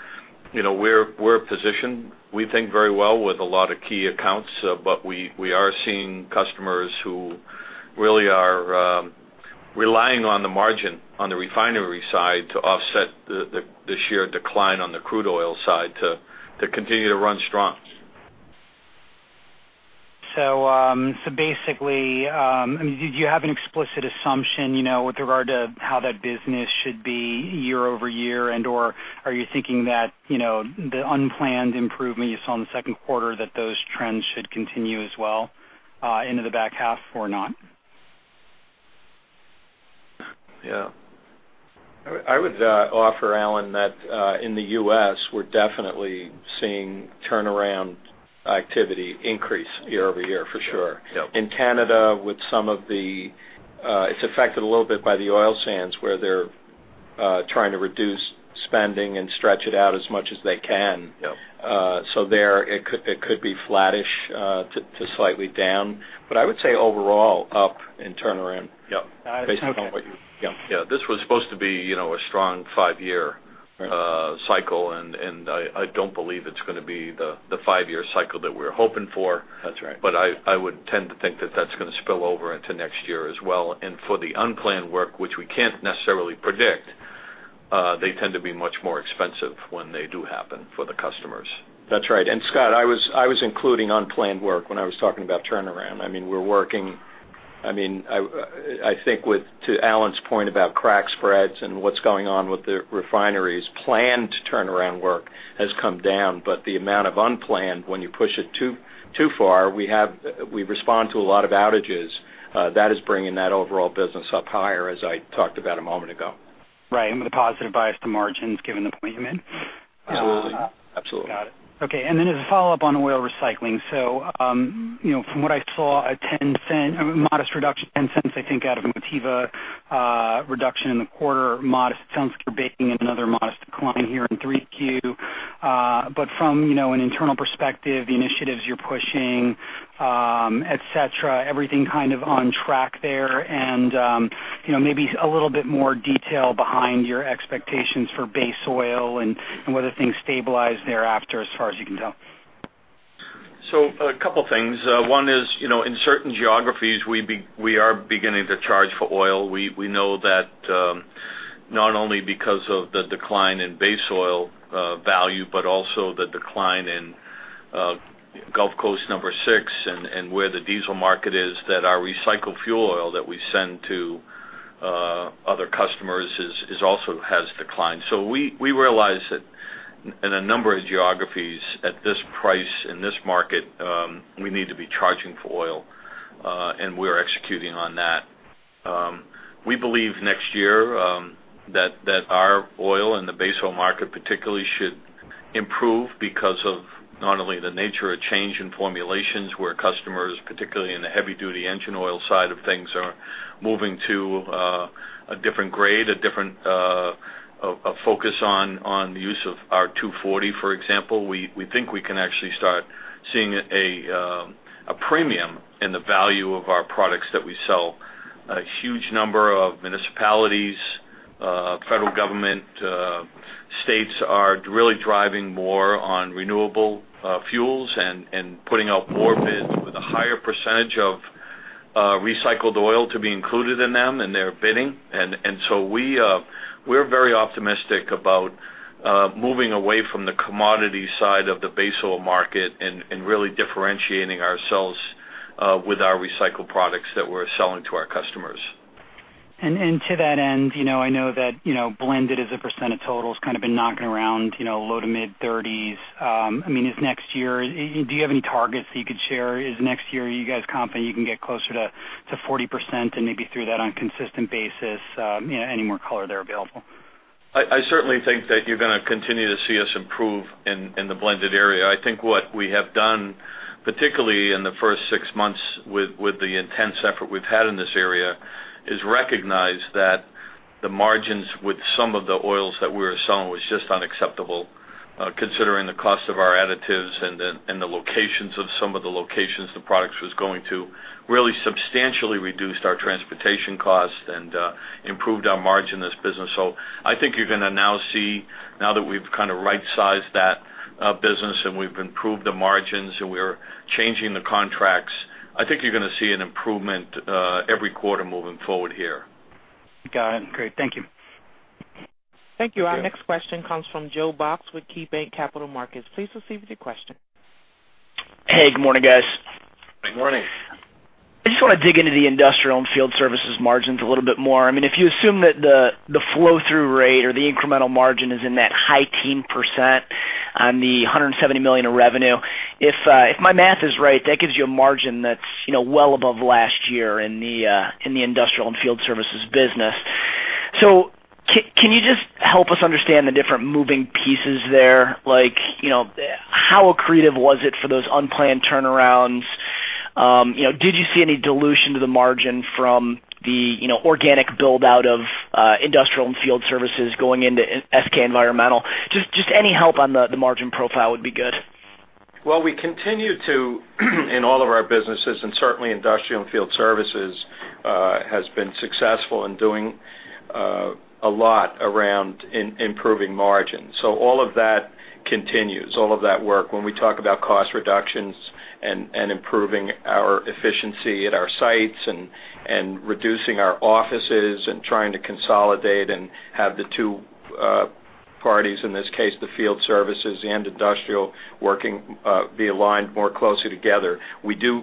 [SPEAKER 3] we're positioned, we think, very well with a lot of key accounts, but we are seeing customers who really are relying on the margin on the refinery side to offset the sheer decline on the crude oil side to continue to run strong.
[SPEAKER 7] So basically, I mean, did you have an explicit assumption with regard to how that business should be year-over-year? And/or are you thinking that the unplanned improvement you saw in the second quarter, that those trends should continue as well into the back half or not?
[SPEAKER 4] Yeah. I would offer, Alan, that in the U.S., we're definitely seeing turnaround activity increase year-over-year, for sure. In Canada, with some of the it's affected a little bit by the oil sands where they're trying to reduce spending and stretch it out as much as they can. So there, it could be flattish to slightly down. But I would say overall up in turnaround. Based on what you
[SPEAKER 3] Yeah. This was supposed to be a strong five-year cycle, and I don't believe it's going to be the five-year cycle that we're hoping for. But I would tend to think that that's going to spill over into next year as well. And for the unplanned work, which we can't necessarily predict, they tend to be much more expensive when they do happen for the customers.
[SPEAKER 4] That's right. And Scott, I was including unplanned work when I was talking about turnaround. I mean, we're working I mean, I think to Alan's point about crack spreads and what's going on with the refineries, planned turnaround work has come down, but the amount of unplanned, when you push it too far, we respond to a lot of outages. That is bringing that overall business up higher, as I talked about a moment ago.
[SPEAKER 7] Right. And with the positive bias to margins, given the point you made.
[SPEAKER 4] Absolutely. Absolutely.
[SPEAKER 7] Got it. Okay. And then as a follow-up on oil recycling, so from what I saw, a modest reduction, $0.10, I think, out of Motiva reduction in the quarter. It sounds like you're baking another modest decline here in Q3. But from an internal perspective, the initiatives you're pushing, etc., everything kind of on track there? And maybe a little bit more detail behind your expectations for base oil and whether things stabilize thereafter as far as you can tell.
[SPEAKER 3] So a couple of things. One is, in certain geographies, we are beginning to charge for oil. We know that not only because of the decline in base oil value, but also the decline in Gulf Coast Number 6 and where the diesel market is, that our recycled fuel oil that we send to other customers also has declined. So we realize that in a number of geographies, at this price in this market, we need to be charging for oil, and we're executing on that. We believe next year that our oil and the base oil market particularly should improve because of not only the nature of change in formulations where customers, particularly in the heavy-duty engine oil side of things, are moving to a different grade, a different focus on the use of our 240, for example. We think we can actually start seeing a premium in the value of our products that we sell. A huge number of municipalities, federal government, states are really driving more on renewable fuels and putting out more bids with a higher percentage of recycled oil to be included in them, and they're bidding. And so we're very optimistic about moving away from the commodity side of the base oil market and really differentiating ourselves with our recycled products that we're selling to our customers.
[SPEAKER 7] To that end, I know that blended as a percent of total has kind of been knocking around low-to-mid-30s. I mean, is next year do you have any targets that you could share? Is next year you guys confident you can get closer to 40% and maybe through that on a consistent basis, any more color there available?
[SPEAKER 3] I certainly think that you're going to continue to see us improve in the blended area. I think what we have done, particularly in the first six months with the intense effort we've had in this area, is recognize that the margins with some of the oils that we were selling was just unacceptable, considering the cost of our additives and the locations of some of the locations the products was going to really substantially reduced our transportation costs and improved our margin in this business. So I think you're going to now see, now that we've kind of right-sized that business and we've improved the margins and we're changing the contracts, I think you're going to see an improvement every quarter moving forward here.
[SPEAKER 7] Got it. Great. Thank you.
[SPEAKER 1] Thank you. Our next question comes from Joe Box with KeyBanc Capital Markets. Please proceed with your question.
[SPEAKER 8] Hey, good morning, guys.
[SPEAKER 4] Good morning.
[SPEAKER 8] I just want to dig into the industrial and field services margins a little bit more. I mean, if you assume that the flow-through rate or the incremental margin is in that high teen % on the $170 million of revenue, if my math is right, that gives you a margin that's well above last year in the industrial and field services business. So can you just help us understand the different moving pieces there? Like how accretive was it for those unplanned turnarounds? Did you see any dilution to the margin from the organic buildout of industrial and field services going into SK Environmental? Just any help on the margin profile would be good.
[SPEAKER 4] Well, we continue to, in all of our businesses, and certainly industrial and field services has been successful in doing a lot around improving margins. So all of that continues, all of that work. When we talk about cost reductions and improving our efficiency at our sites and reducing our offices and trying to consolidate and have the two parties, in this case, the field services and industrial, working be aligned more closely together, we do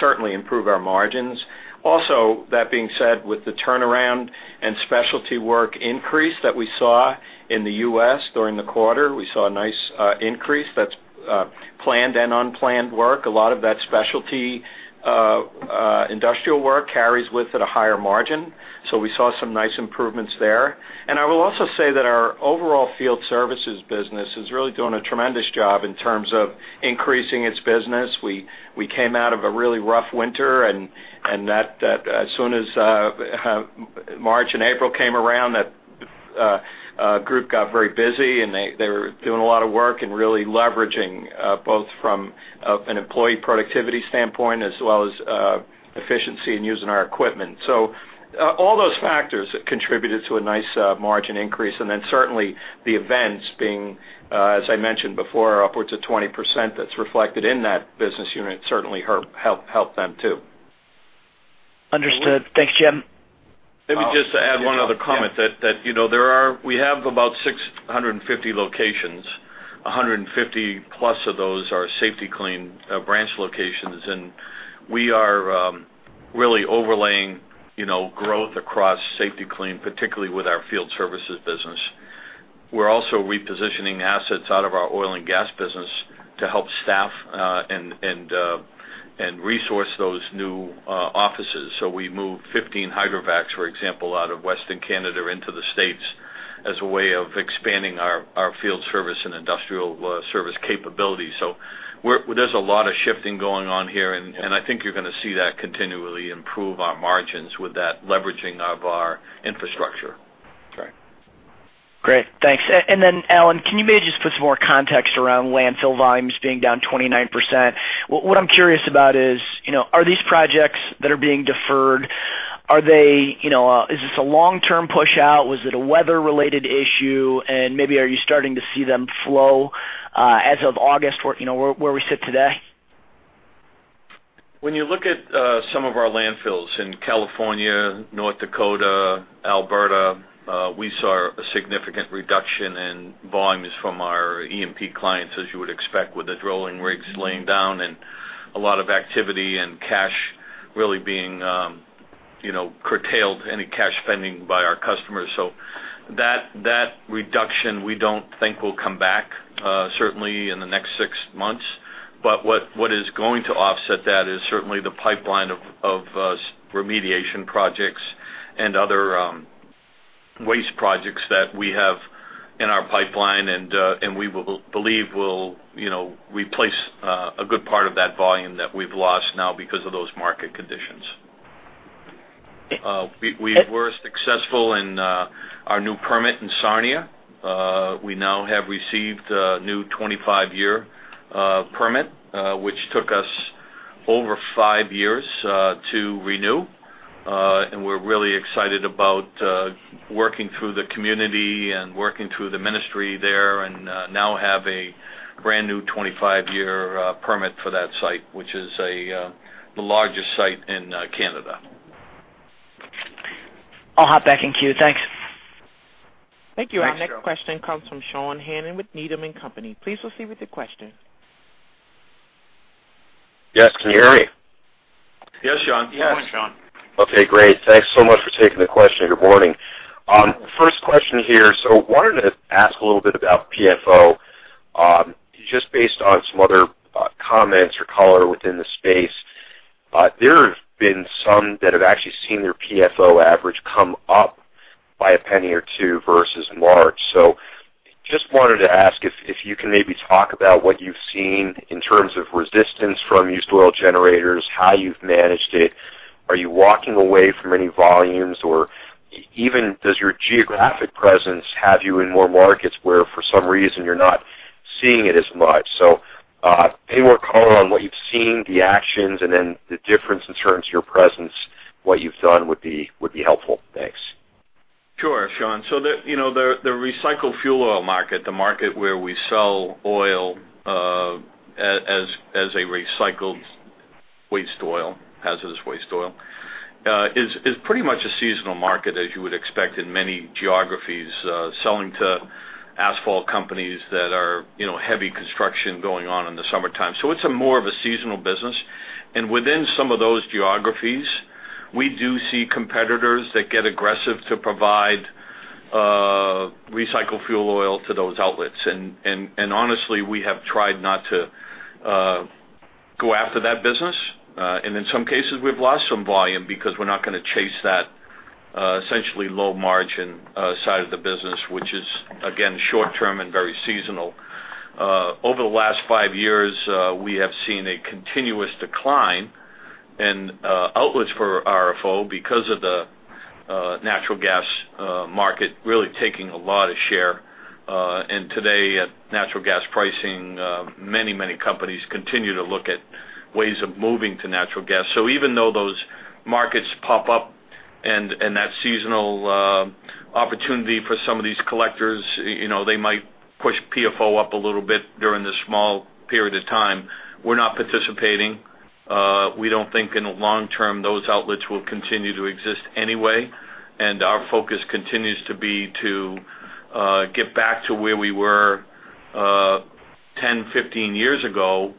[SPEAKER 4] certainly improve our margins. Also, that being said, with the turnaround and specialty work increase that we saw in the U.S. during the quarter, we saw a nice increase that's planned and unplanned work. A lot of that specialty industrial work carries with it a higher margin. So we saw some nice improvements there. And I will also say that our overall field services business is really doing a tremendous job in terms of increasing its business. We came out of a really rough winter, and as soon as March and April came around, that group got very busy, and they were doing a lot of work and really leveraging both from an employee productivity standpoint as well as efficiency in using our equipment. So all those factors contributed to a nice margin increase. And then certainly the events being, as I mentioned before, upwards of 20% that's reflected in that business unit certainly helped them too.
[SPEAKER 8] Understood. Thanks, Jim.
[SPEAKER 3] Let me just add one other comment that we have about 650 locations. 150+ of those are Safety-Kleen branch locations, and we are really overlaying growth across Safety-Kleen, particularly with our field services business. We're also repositioning assets out of our oil and gas business to help staff and resource those new offices. So we moved 15 Hydrovac, for example, out of Western Canada into the states as a way of expanding our field service and industrial service capabilities. So there's a lot of shifting going on here, and I think you're going to see that continually improve our margins with that leveraging of our infrastructure.
[SPEAKER 8] Great. Great. Thanks. And then, Alan, can you maybe just put some more context around landfill volumes being down 29%? What I'm curious about is, are these projects that are being deferred, is this a long-term push-out? Was it a weather-related issue? And maybe are you starting to see them flow as of August where we sit today?
[SPEAKER 3] When you look at some of our landfills in California, North Dakota, Alberta, we saw a significant reduction in volumes from our E&P clients, as you would expect, with the drilling rigs laying down and a lot of activity and cash really being curtailed, any cash spending by our customers. So that reduction, we don't think will come back certainly in the next six months. But what is going to offset that is certainly the pipeline of remediation projects and other waste projects that we have in our pipeline, and we believe we'll replace a good part of that volume that we've lost now because of those market conditions. We were successful in our new permit in Sarnia. We now have received a new 25-year permit, which took us over five years to renew. We're really excited about working through the community and working through the ministry there and now have a brand new 25-year permit for that site, which is the largest site in Canada.
[SPEAKER 8] I'll hop back in queue. Thanks.
[SPEAKER 1] Thank you. Our next question comes from Sean Hannan with Needham & Company. Please proceed with your question.
[SPEAKER 9] You guys can hear me?
[SPEAKER 3] Yes, Sean.
[SPEAKER 4] Yes, Sean.
[SPEAKER 9] Okay. Great. Thanks so much for taking the question. Good morning. First question here. So wanted to ask a little bit about PFO. Just based on some other comments or color within the space, there have been some that have actually seen their PFO average come up by a penny or two versus March. So just wanted to ask if you can maybe talk about what you've seen in terms of resistance from used oil generators, how you've managed it. Are you walking away from any volumes, or even does your geographic presence have you in more markets where for some reason you're not seeing it as much? So any more color on what you've seen, the actions, and then the difference in terms of your presence, what you've done would be helpful. Thanks.
[SPEAKER 3] Sure, Sean. So the recycled fuel oil market, the market where we sell oil as a recycled waste oil, hazardous waste oil, is pretty much a seasonal market, as you would expect in many geographies, selling to asphalt companies that are heavy construction going on in the summertime. So it's more of a seasonal business. And within some of those geographies, we do see competitors that get aggressive to provide recycled fuel oil to those outlets. And honestly, we have tried not to go after that business. And in some cases, we've lost some volume because we're not going to chase that essentially low-margin side of the business, which is, again, short-term and very seasonal. Over the last five years, we have seen a continuous decline in outlets for RFO because of the natural gas market really taking a lot of share. Today, at natural gas pricing, many, many companies continue to look at ways of moving to natural gas. Even though those markets pop up and that seasonal opportunity for some of these collectors, they might push PFO up a little bit during this small period of time, we're not participating. We don't think in the long term those outlets will continue to exist anyway. Our focus continues to be to get back to where we were 10, 15 years ago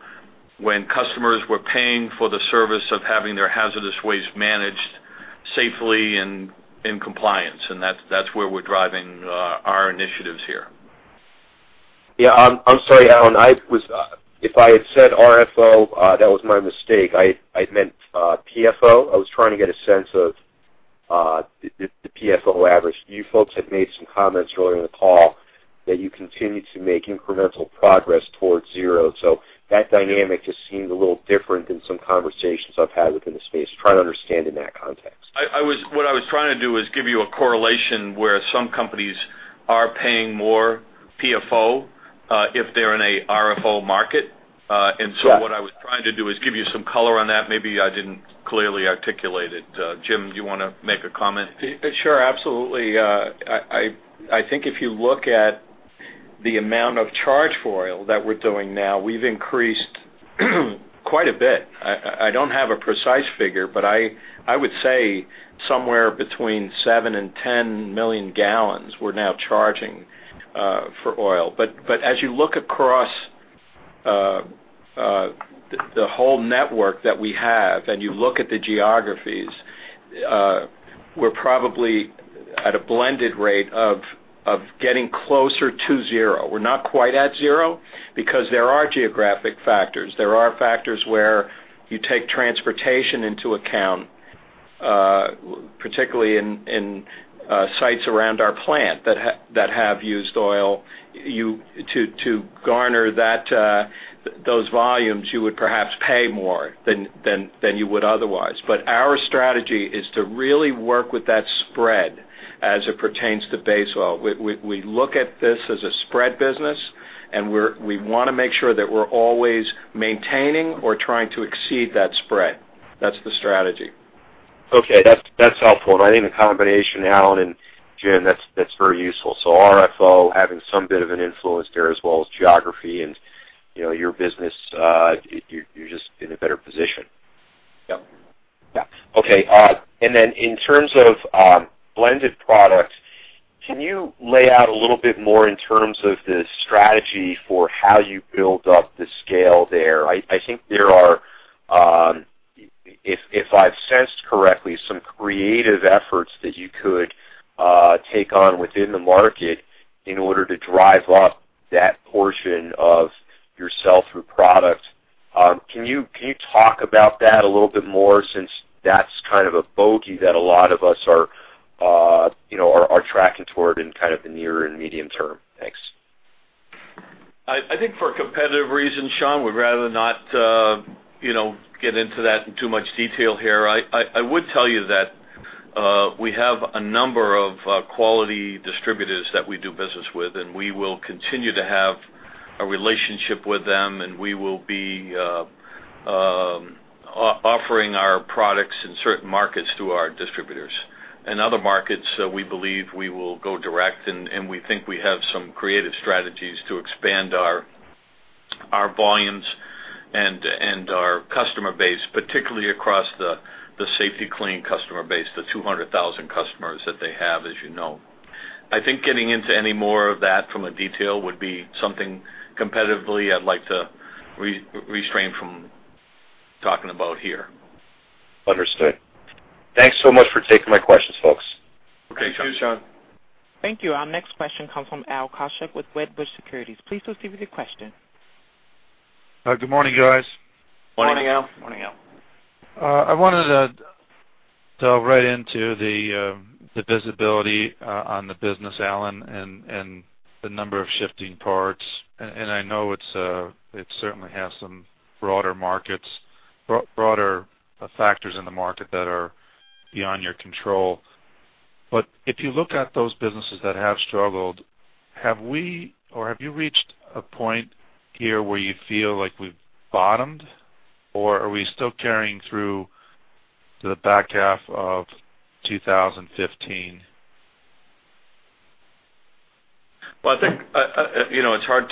[SPEAKER 3] when customers were paying for the service of having their hazardous waste managed safely and in compliance. That's where we're driving our initiatives here.
[SPEAKER 4] Yeah. I'm sorry, Alan. If I had said RFO, that was my mistake. I meant PFO. I was trying to get a sense of the PFO average. You folks had made some comments earlier in the call that you continue to make incremental progress towards zero. So that dynamic just seemed a little different than some conversations I've had within the space. Trying to understand in that context.
[SPEAKER 3] What I was trying to do is give you a correlation where some companies are paying more PFO if they're in a RFO market. And so what I was trying to do is give you some color on that. Maybe I didn't clearly articulate it. Jim, do you want to make a comment?
[SPEAKER 4] Sure. Absolutely. I think if you look at the amount of charge for oil that we're doing now, we've increased quite a bit. I don't have a precise figure, but I would say somewhere between 7 million gallons-10 million gallons we're now charging for oil. But as you look across the whole network that we have and you look at the geographies, we're probably at a blended rate of getting closer to zero. We're not quite at zero because there are geographic factors. There are factors where you take transportation into account, particularly in sites around our plant that have used oil. To garner those volumes, you would perhaps pay more than you would otherwise. But our strategy is to really work with that spread as it pertains to base oil. We look at this as a spread business, and we want to make sure that we're always maintaining or trying to exceed that spread. That's the strategy. Okay. That's helpful. I think the combination, Alan and Jim, that's very useful. So RFO having some bit of an influence there as well as geography and your business, you're just in a better position.
[SPEAKER 3] Yeah.
[SPEAKER 9] Yeah. Okay. And then in terms of blended products, can you lay out a little bit more in terms of the strategy for how you build up the scale there? I think there are, if I've sensed correctly, some creative efforts that you could take on within the market in order to drive up that portion of your sell-through product. Can you talk about that a little bit more since that's kind of a bogey that a lot of us are tracking toward in kind of the near and medium term? Thanks.
[SPEAKER 3] I think for a competitive reason, Sean, we'd rather not get into that in too much detail here. I would tell you that we have a number of quality distributors that we do business with, and we will continue to have a relationship with them, and we will be offering our products in certain markets to our distributors. In other markets, we believe we will go direct, and we think we have some creative strategies to expand our volumes and our customer base, particularly across the Safety-Kleen customer base, the 200,000 customers that they have, as you know. I think getting into any more of that from a detail would be something competitively I'd like to restrain from talking about here.
[SPEAKER 9] Understood. Thanks so much for taking my questions, folks.
[SPEAKER 3] Okay. Thank you, Sean.
[SPEAKER 1] Thank you. Our next question comes from Al Kaschalk with Wedbush Securities. Please proceed with your question.
[SPEAKER 10] Good morning, guys.
[SPEAKER 4] Morning, Al.
[SPEAKER 3] Morning, Al.
[SPEAKER 10] I wanted to delve right into the visibility on the business, Alan, and the number of shifting parts. I know it certainly has some broader markets, broader factors in the market that are beyond your control. If you look at those businesses that have struggled, have we or have you reached a point here where you feel like we've bottomed, or are we still carrying through to the back half of 2015?
[SPEAKER 3] Well, I think it's hard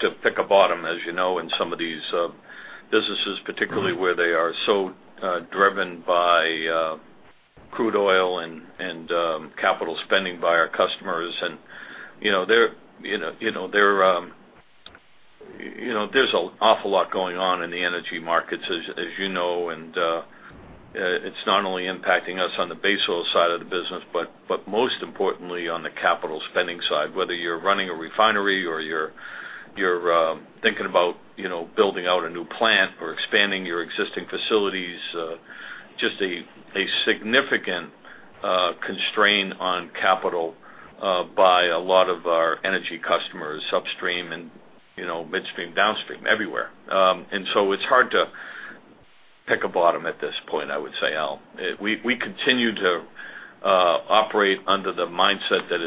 [SPEAKER 3] to pick a bottom, as you know, in some of these businesses, particularly where they are so driven by crude oil and capital spending by our customers. And there's an awful lot going on in the energy markets, as you know, and it's not only impacting us on the base oil side of the business, but most importantly on the capital spending side, whether you're running a refinery or you're thinking about building out a new plant or expanding your existing facilities, just a significant constraint on capital by a lot of our energy customers upstream and midstream, downstream, everywhere. And so it's hard to pick a bottom at this point, I would say, Al. We continue to operate under the mindset that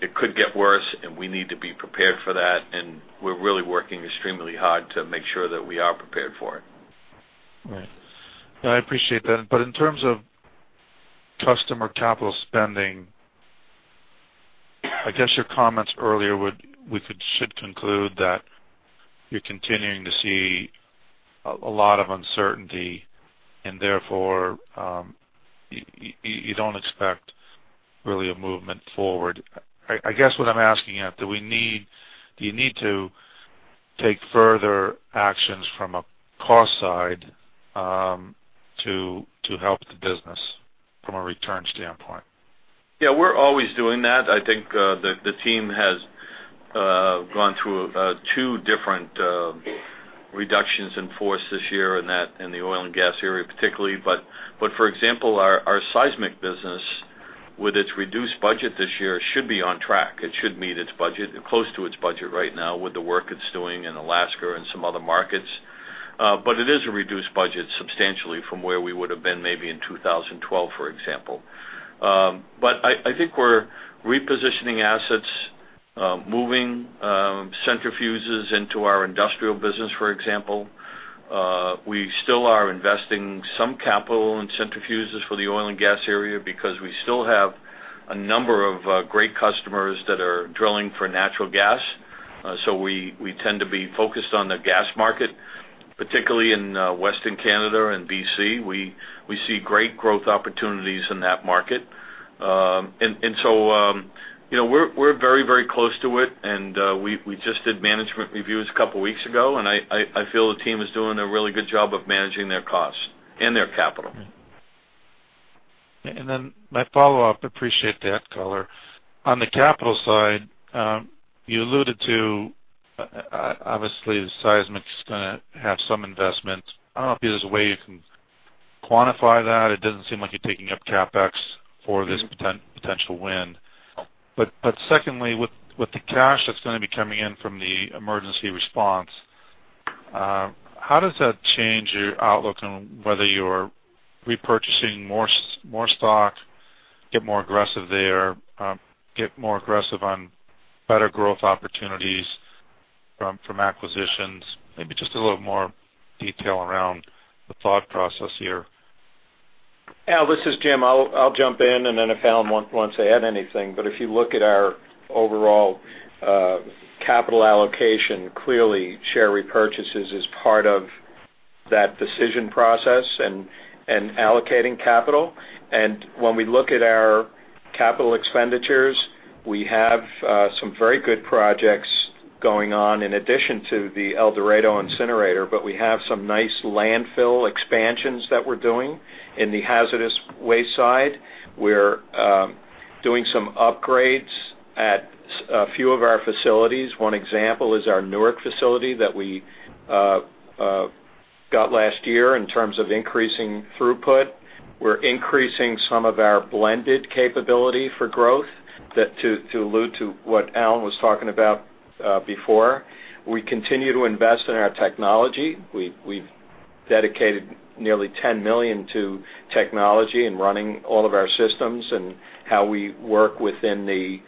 [SPEAKER 3] it could get worse, and we need to be prepared for that, and we're really working extremely hard to make sure that we are prepared for it.
[SPEAKER 10] Right. I appreciate that. But in terms of customer capital spending, I guess your comments earlier would we should conclude that you're continuing to see a lot of uncertainty, and therefore you don't expect really a movement forward. I guess what I'm asking at, do you need to take further actions from a cost side to help the business from a return standpoint?
[SPEAKER 3] Yeah. We're always doing that. I think the team has gone through two different reductions in force this year in the oil and gas area, particularly. But for example, our seismic business, with its reduced budget this year, should be on track. It should meet its budget, close to its budget right now with the work it's doing in Alaska and some other markets. But it is a reduced budget substantially from where we would have been maybe in 2012, for example. But I think we're repositioning assets, moving centrifuges into our industrial business, for example. We still are investing some capital in centrifuges for the oil and gas area because we still have a number of great customers that are drilling for natural gas. So we tend to be focused on the gas market, particularly in Western Canada and BC. We see great growth opportunities in that market. And so we're very, very close to it, and we just did management reviews a couple of weeks ago, and I feel the team is doing a really good job of managing their costs and their capital.
[SPEAKER 10] Then my follow-up, appreciate that, color. On the capital side, you alluded to, obviously, the seismic is going to have some investment. I don't know if there's a way you can quantify that. It doesn't seem like you're taking up CapEx for this potential win. But secondly, with the cash that's going to be coming in from the emergency response, how does that change your outlook on whether you're repurchasing more stock, get more aggressive there, get more aggressive on better growth opportunities from acquisitions? Maybe just a little more detail around the thought process here.
[SPEAKER 4] Al, this is Jim. I'll jump in, and then if Alan wants to add anything. But if you look at our overall capital allocation, clearly share repurchases is part of that decision process and allocating capital. And when we look at our capital expenditures, we have some very good projects going on in addition to the El Dorado incinerator, but we have some nice landfill expansions that we're doing in the hazardous waste side. We're doing some upgrades at a few of our facilities. One example is our Newark facility that we got last year in terms of increasing throughput. We're increasing some of our blended capability for growth to allude to what Alan was talking about before. We continue to invest in our technology. We've dedicated nearly $10 million to technology and running all of our systems and how we work within the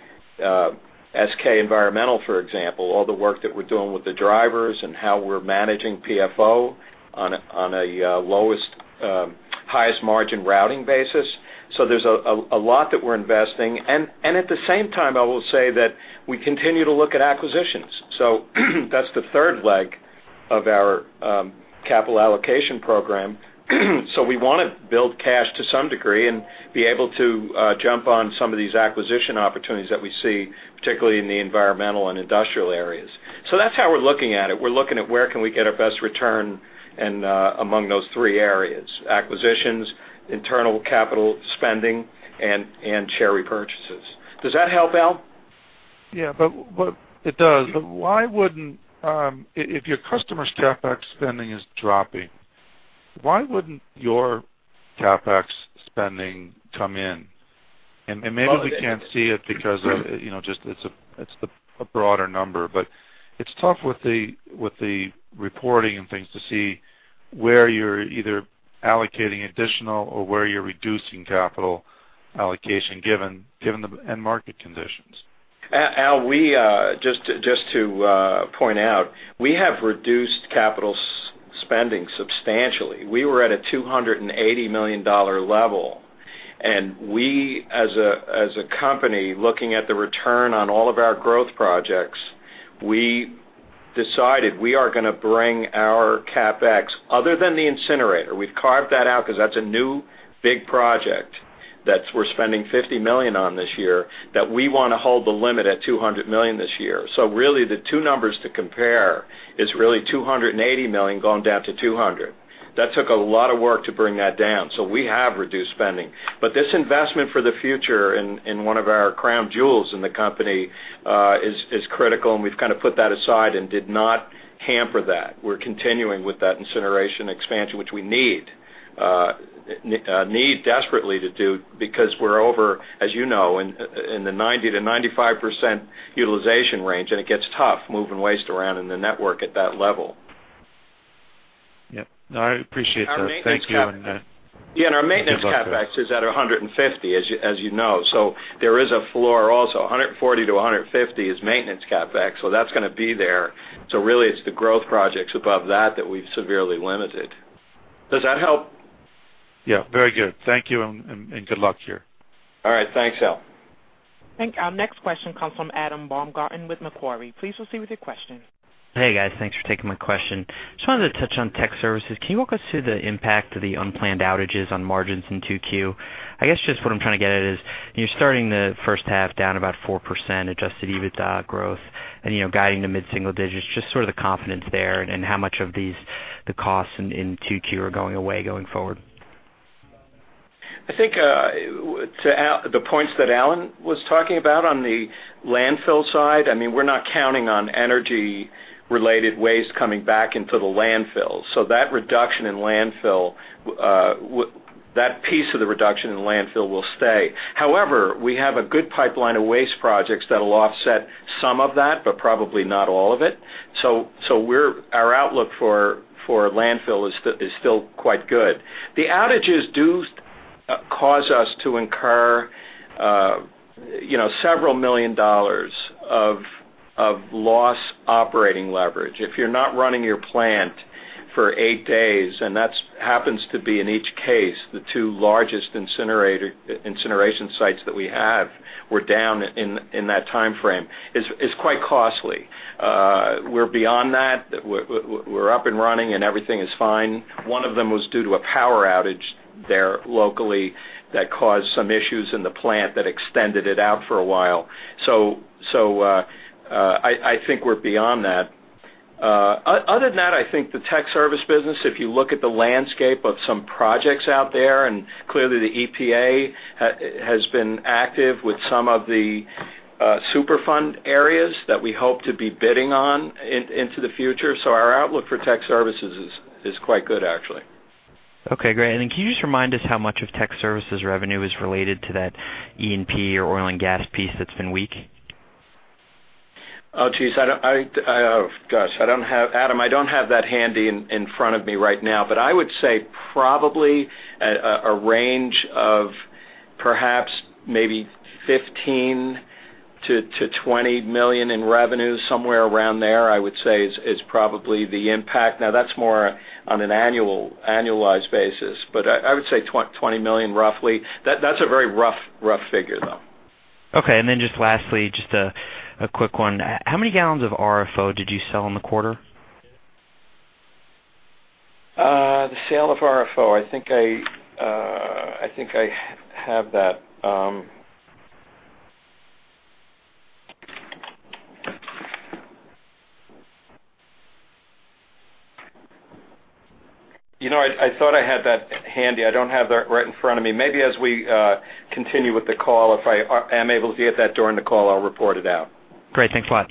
[SPEAKER 4] SK Environmental, for example, all the work that we're doing with the drivers and how we're managing PFO on a highest margin routing basis. So there's a lot that we're investing. And at the same time, I will say that we continue to look at acquisitions. So that's the third leg of our capital allocation program. So we want to build cash to some degree and be able to jump on some of these acquisition opportunities that we see, particularly in the environmental and industrial areas. So that's how we're looking at it. We're looking at where can we get our best return among those three areas: acquisitions, internal capital spending, and share repurchases.
[SPEAKER 3] Does that help, Al?
[SPEAKER 10] Yeah. It does. If your customer's CapEx spending is dropping, why wouldn't your CapEx spending come in? Maybe we can't see it because it's a broader number, but it's tough with the reporting and things to see where you're either allocating additional or where you're reducing capital allocation given the end market conditions.
[SPEAKER 4] Al, just to point out, we have reduced capital spending substantially. We were at a $280 million level, and we, as a company looking at the return on all of our growth projects, we decided we are going to bring our CapEx, other than the incinerator, we've carved that out because that's a new big project that we're spending $50 million on this year, that we want to hold the limit at $200 million this year. So really, the two numbers to compare is really $280 million going down to $200. That took a lot of work to bring that down. So we have reduced spending. But this investment for the future in one of our crown jewels in the company is critical, and we've kind of put that aside and did not hamper that. We're continuing with that incineration expansion, which we need desperately to do because we're over, as you know, in the 90%-95% utilization range, and it gets tough moving waste around in the network at that level.
[SPEAKER 10] Yeah. I appreciate that. Thank you.
[SPEAKER 4] Our maintenance CapEx is at, yeah, and our maintenance CapEx is at $150, as you know. So there is a floor also. $140-$150 is maintenance CapEx, so that's going to be there. So really, it's the growth projects above that that we've severely limited. Does that help?
[SPEAKER 10] Yeah. Very good. Thank you, and good luck here.
[SPEAKER 4] All right. Thanks, Al.
[SPEAKER 1] Thank you. Our next question comes from Adam Baumgarten with Macquarie. Please proceed with your question.
[SPEAKER 11] Hey, guys. Thanks for taking my question. Just wanted to touch on tech services. Can you walk us through the impact of the unplanned outages on margins in 2Q? I guess just what I'm trying to get at is you're starting the first half down about 4%, Adjusted EBITDA growth, and guiding to mid-single digits. Just sort of the confidence there and how much of the costs in 2Q are going away going forward.
[SPEAKER 4] I think to the points that Alan was talking about on the landfill side, I mean, we're not counting on energy-related waste coming back into the landfill. So that reduction in landfill, that piece of the reduction in landfill will stay. However, we have a good pipeline of waste projects that will offset some of that, but probably not all of it. So our outlook for landfill is still quite good. The outages do cause us to incur dollars several million of lost operating leverage. If you're not running your plant for eight days, and that happens to be, in each case, the two largest incineration sites that we have were down in that time frame, it's quite costly. We're beyond that. We're up and running, and everything is fine. One of them was due to a power outage there locally that caused some issues in the plant that extended it out for a while. So I think we're beyond that. Other than that, I think the tech service business, if you look at the landscape of some projects out there, and clearly the EPA has been active with some of the Superfund areas that we hope to be bidding on into the future. So our outlook for tech services is quite good, actually.
[SPEAKER 11] Okay. Great. And then can you just remind us how much of tech services revenue is related to that E&P or oil and gas piece that's been weak?
[SPEAKER 4] Oh, geez. Oh, gosh. Adam, I don't have that handy in front of me right now, but I would say probably a range of perhaps maybe $15 million-$20 million in revenue, somewhere around there, I would say, is probably the impact. Now, that's more on an annualized basis, but I would say $20 million, roughly. That's a very rough figure, though.
[SPEAKER 11] Okay. And then just lastly, just a quick one. How many gallons of RFO did you sell in the quarter?
[SPEAKER 4] The sale of RFO, I think I have that. I thought I had that handy. I don't have that right in front of me. Maybe as we continue with the call, if I am able to get that during the call, I'll report it out.
[SPEAKER 11] Great. Thanks a lot.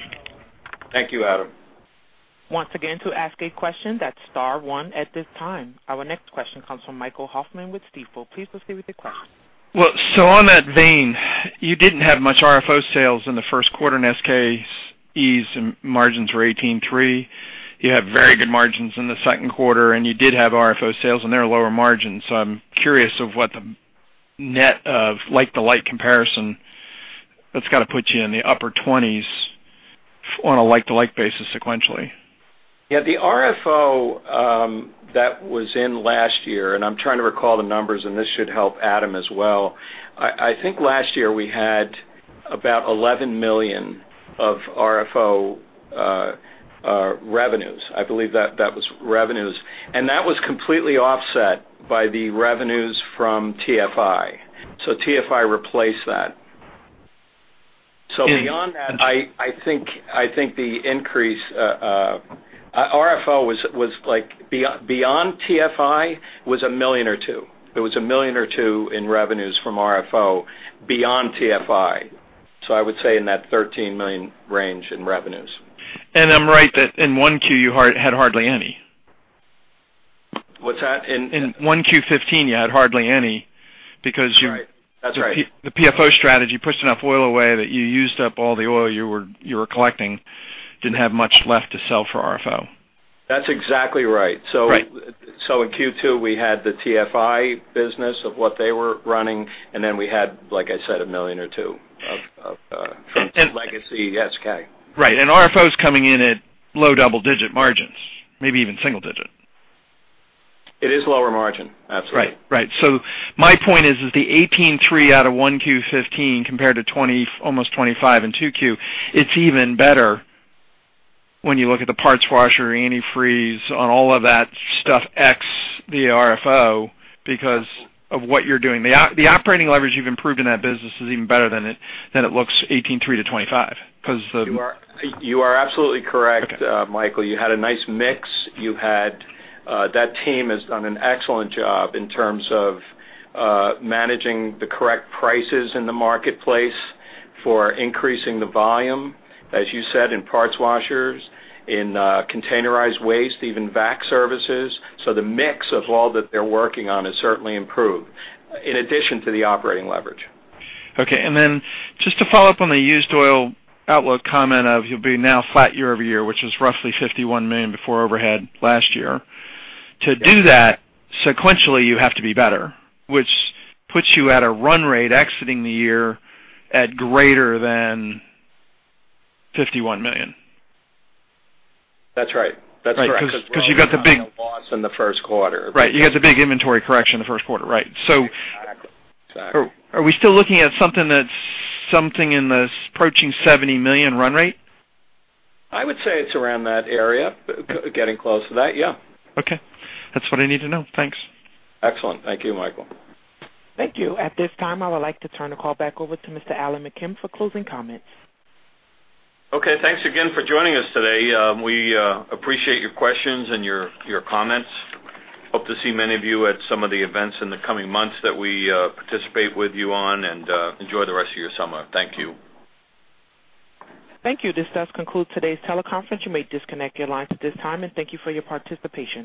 [SPEAKER 4] Thank you, Adam.
[SPEAKER 1] Once again, to ask a question, that's star one at this time. Our next question comes from Michael Hoffman with Stifel. Please proceed with your question.
[SPEAKER 12] Well, so on that vein, you didn't have much RFO sales in the first quarter in SKES, and margins were 18.3%. You had very good margins in the second quarter, and you did have RFO sales, and they're lower margins. So I'm curious of what the net of like-to-like comparison that's got to put you in the upper 20s on a like-to-like basis sequentially.
[SPEAKER 4] Yeah. The RFO that was in last year, and I'm trying to recall the numbers, and this should help Adam as well. I think last year we had about $11 million of RFO revenues. I believe that was revenues. And that was completely offset by the revenues from TFI. So TFI replaced that. So beyond that, I think the increase RFO was beyond TFI was $1 million or $2 million. It was $1 million or $2 million in revenues from RFO beyond TFI. So I would say in that $13 million range in revenues.
[SPEAKER 12] I'm right that in 1Q, you had hardly any.
[SPEAKER 4] What's that?
[SPEAKER 12] In 1Q 2015, you had hardly any because you-
[SPEAKER 4] That's right. That's right.
[SPEAKER 12] -the PFO strategy pushed enough oil away that you used up all the oil you were collecting, didn't have much left to sell for RFO.
[SPEAKER 4] That's exactly right. So in Q2, we had the TFI business of what they were running, and then we had, like I said, $1 million or $2 million from legacy SK.
[SPEAKER 3] Right. And RFO is coming in at low double-digit margins, maybe even single-digit.
[SPEAKER 4] It is lower margin. Absolutely.
[SPEAKER 12] Right. Right. So my point is, the 18.3 out of 1Q15 compared to almost 25 in 2Q, it's even better when you look at the parts washer, antifreeze, on all of that stuff, ex the RFO, because of what you're doing. The operating leverage you've improved in that business is even better than it looks 18.3-25 because the.
[SPEAKER 3] You are absolutely correct, Michael. You had a nice mix. That team has done an excellent job in terms of managing the correct prices in the marketplace for increasing the volume, as you said, in parts washers, in containerized waste, even vac services. So the mix of all that they're working on has certainly improved, in addition to the operating leverage. Okay. And then just to follow up on the used oil outlook comment of you'll be now flat year-over-year, which is roughly $51 million before overhead last year. To do that sequentially, you have to be better, which puts you at a run rate exiting the year at greater than $51 million.
[SPEAKER 4] That's right. That's right.
[SPEAKER 12] Right. Because you got the big.
[SPEAKER 4] Because we had a loss in the first quarter.
[SPEAKER 12] Right. You got the big inventory correction in the first quarter. Right. So.
[SPEAKER 4] Exactly. Exactly.
[SPEAKER 12] Are we still looking at something that's approaching $70 million run rate?
[SPEAKER 4] I would say it's around that area, getting close to that. Yeah.
[SPEAKER 12] Okay. That's what I need to know. Thanks.
[SPEAKER 4] Excellent. Thank you, Michael.
[SPEAKER 1] Thank you. At this time, I would like to turn the call back over to Mr. Alan McKim for closing comments.
[SPEAKER 3] Okay. Thanks again for joining us today. We appreciate your questions and your comments. Hope to see many of you at some of the events in the coming months that we participate with you on, and enjoy the rest of your summer. Thank you.
[SPEAKER 1] Thank you. This does conclude today's teleconference. You may disconnect your lines at this time, and thank you for your participation.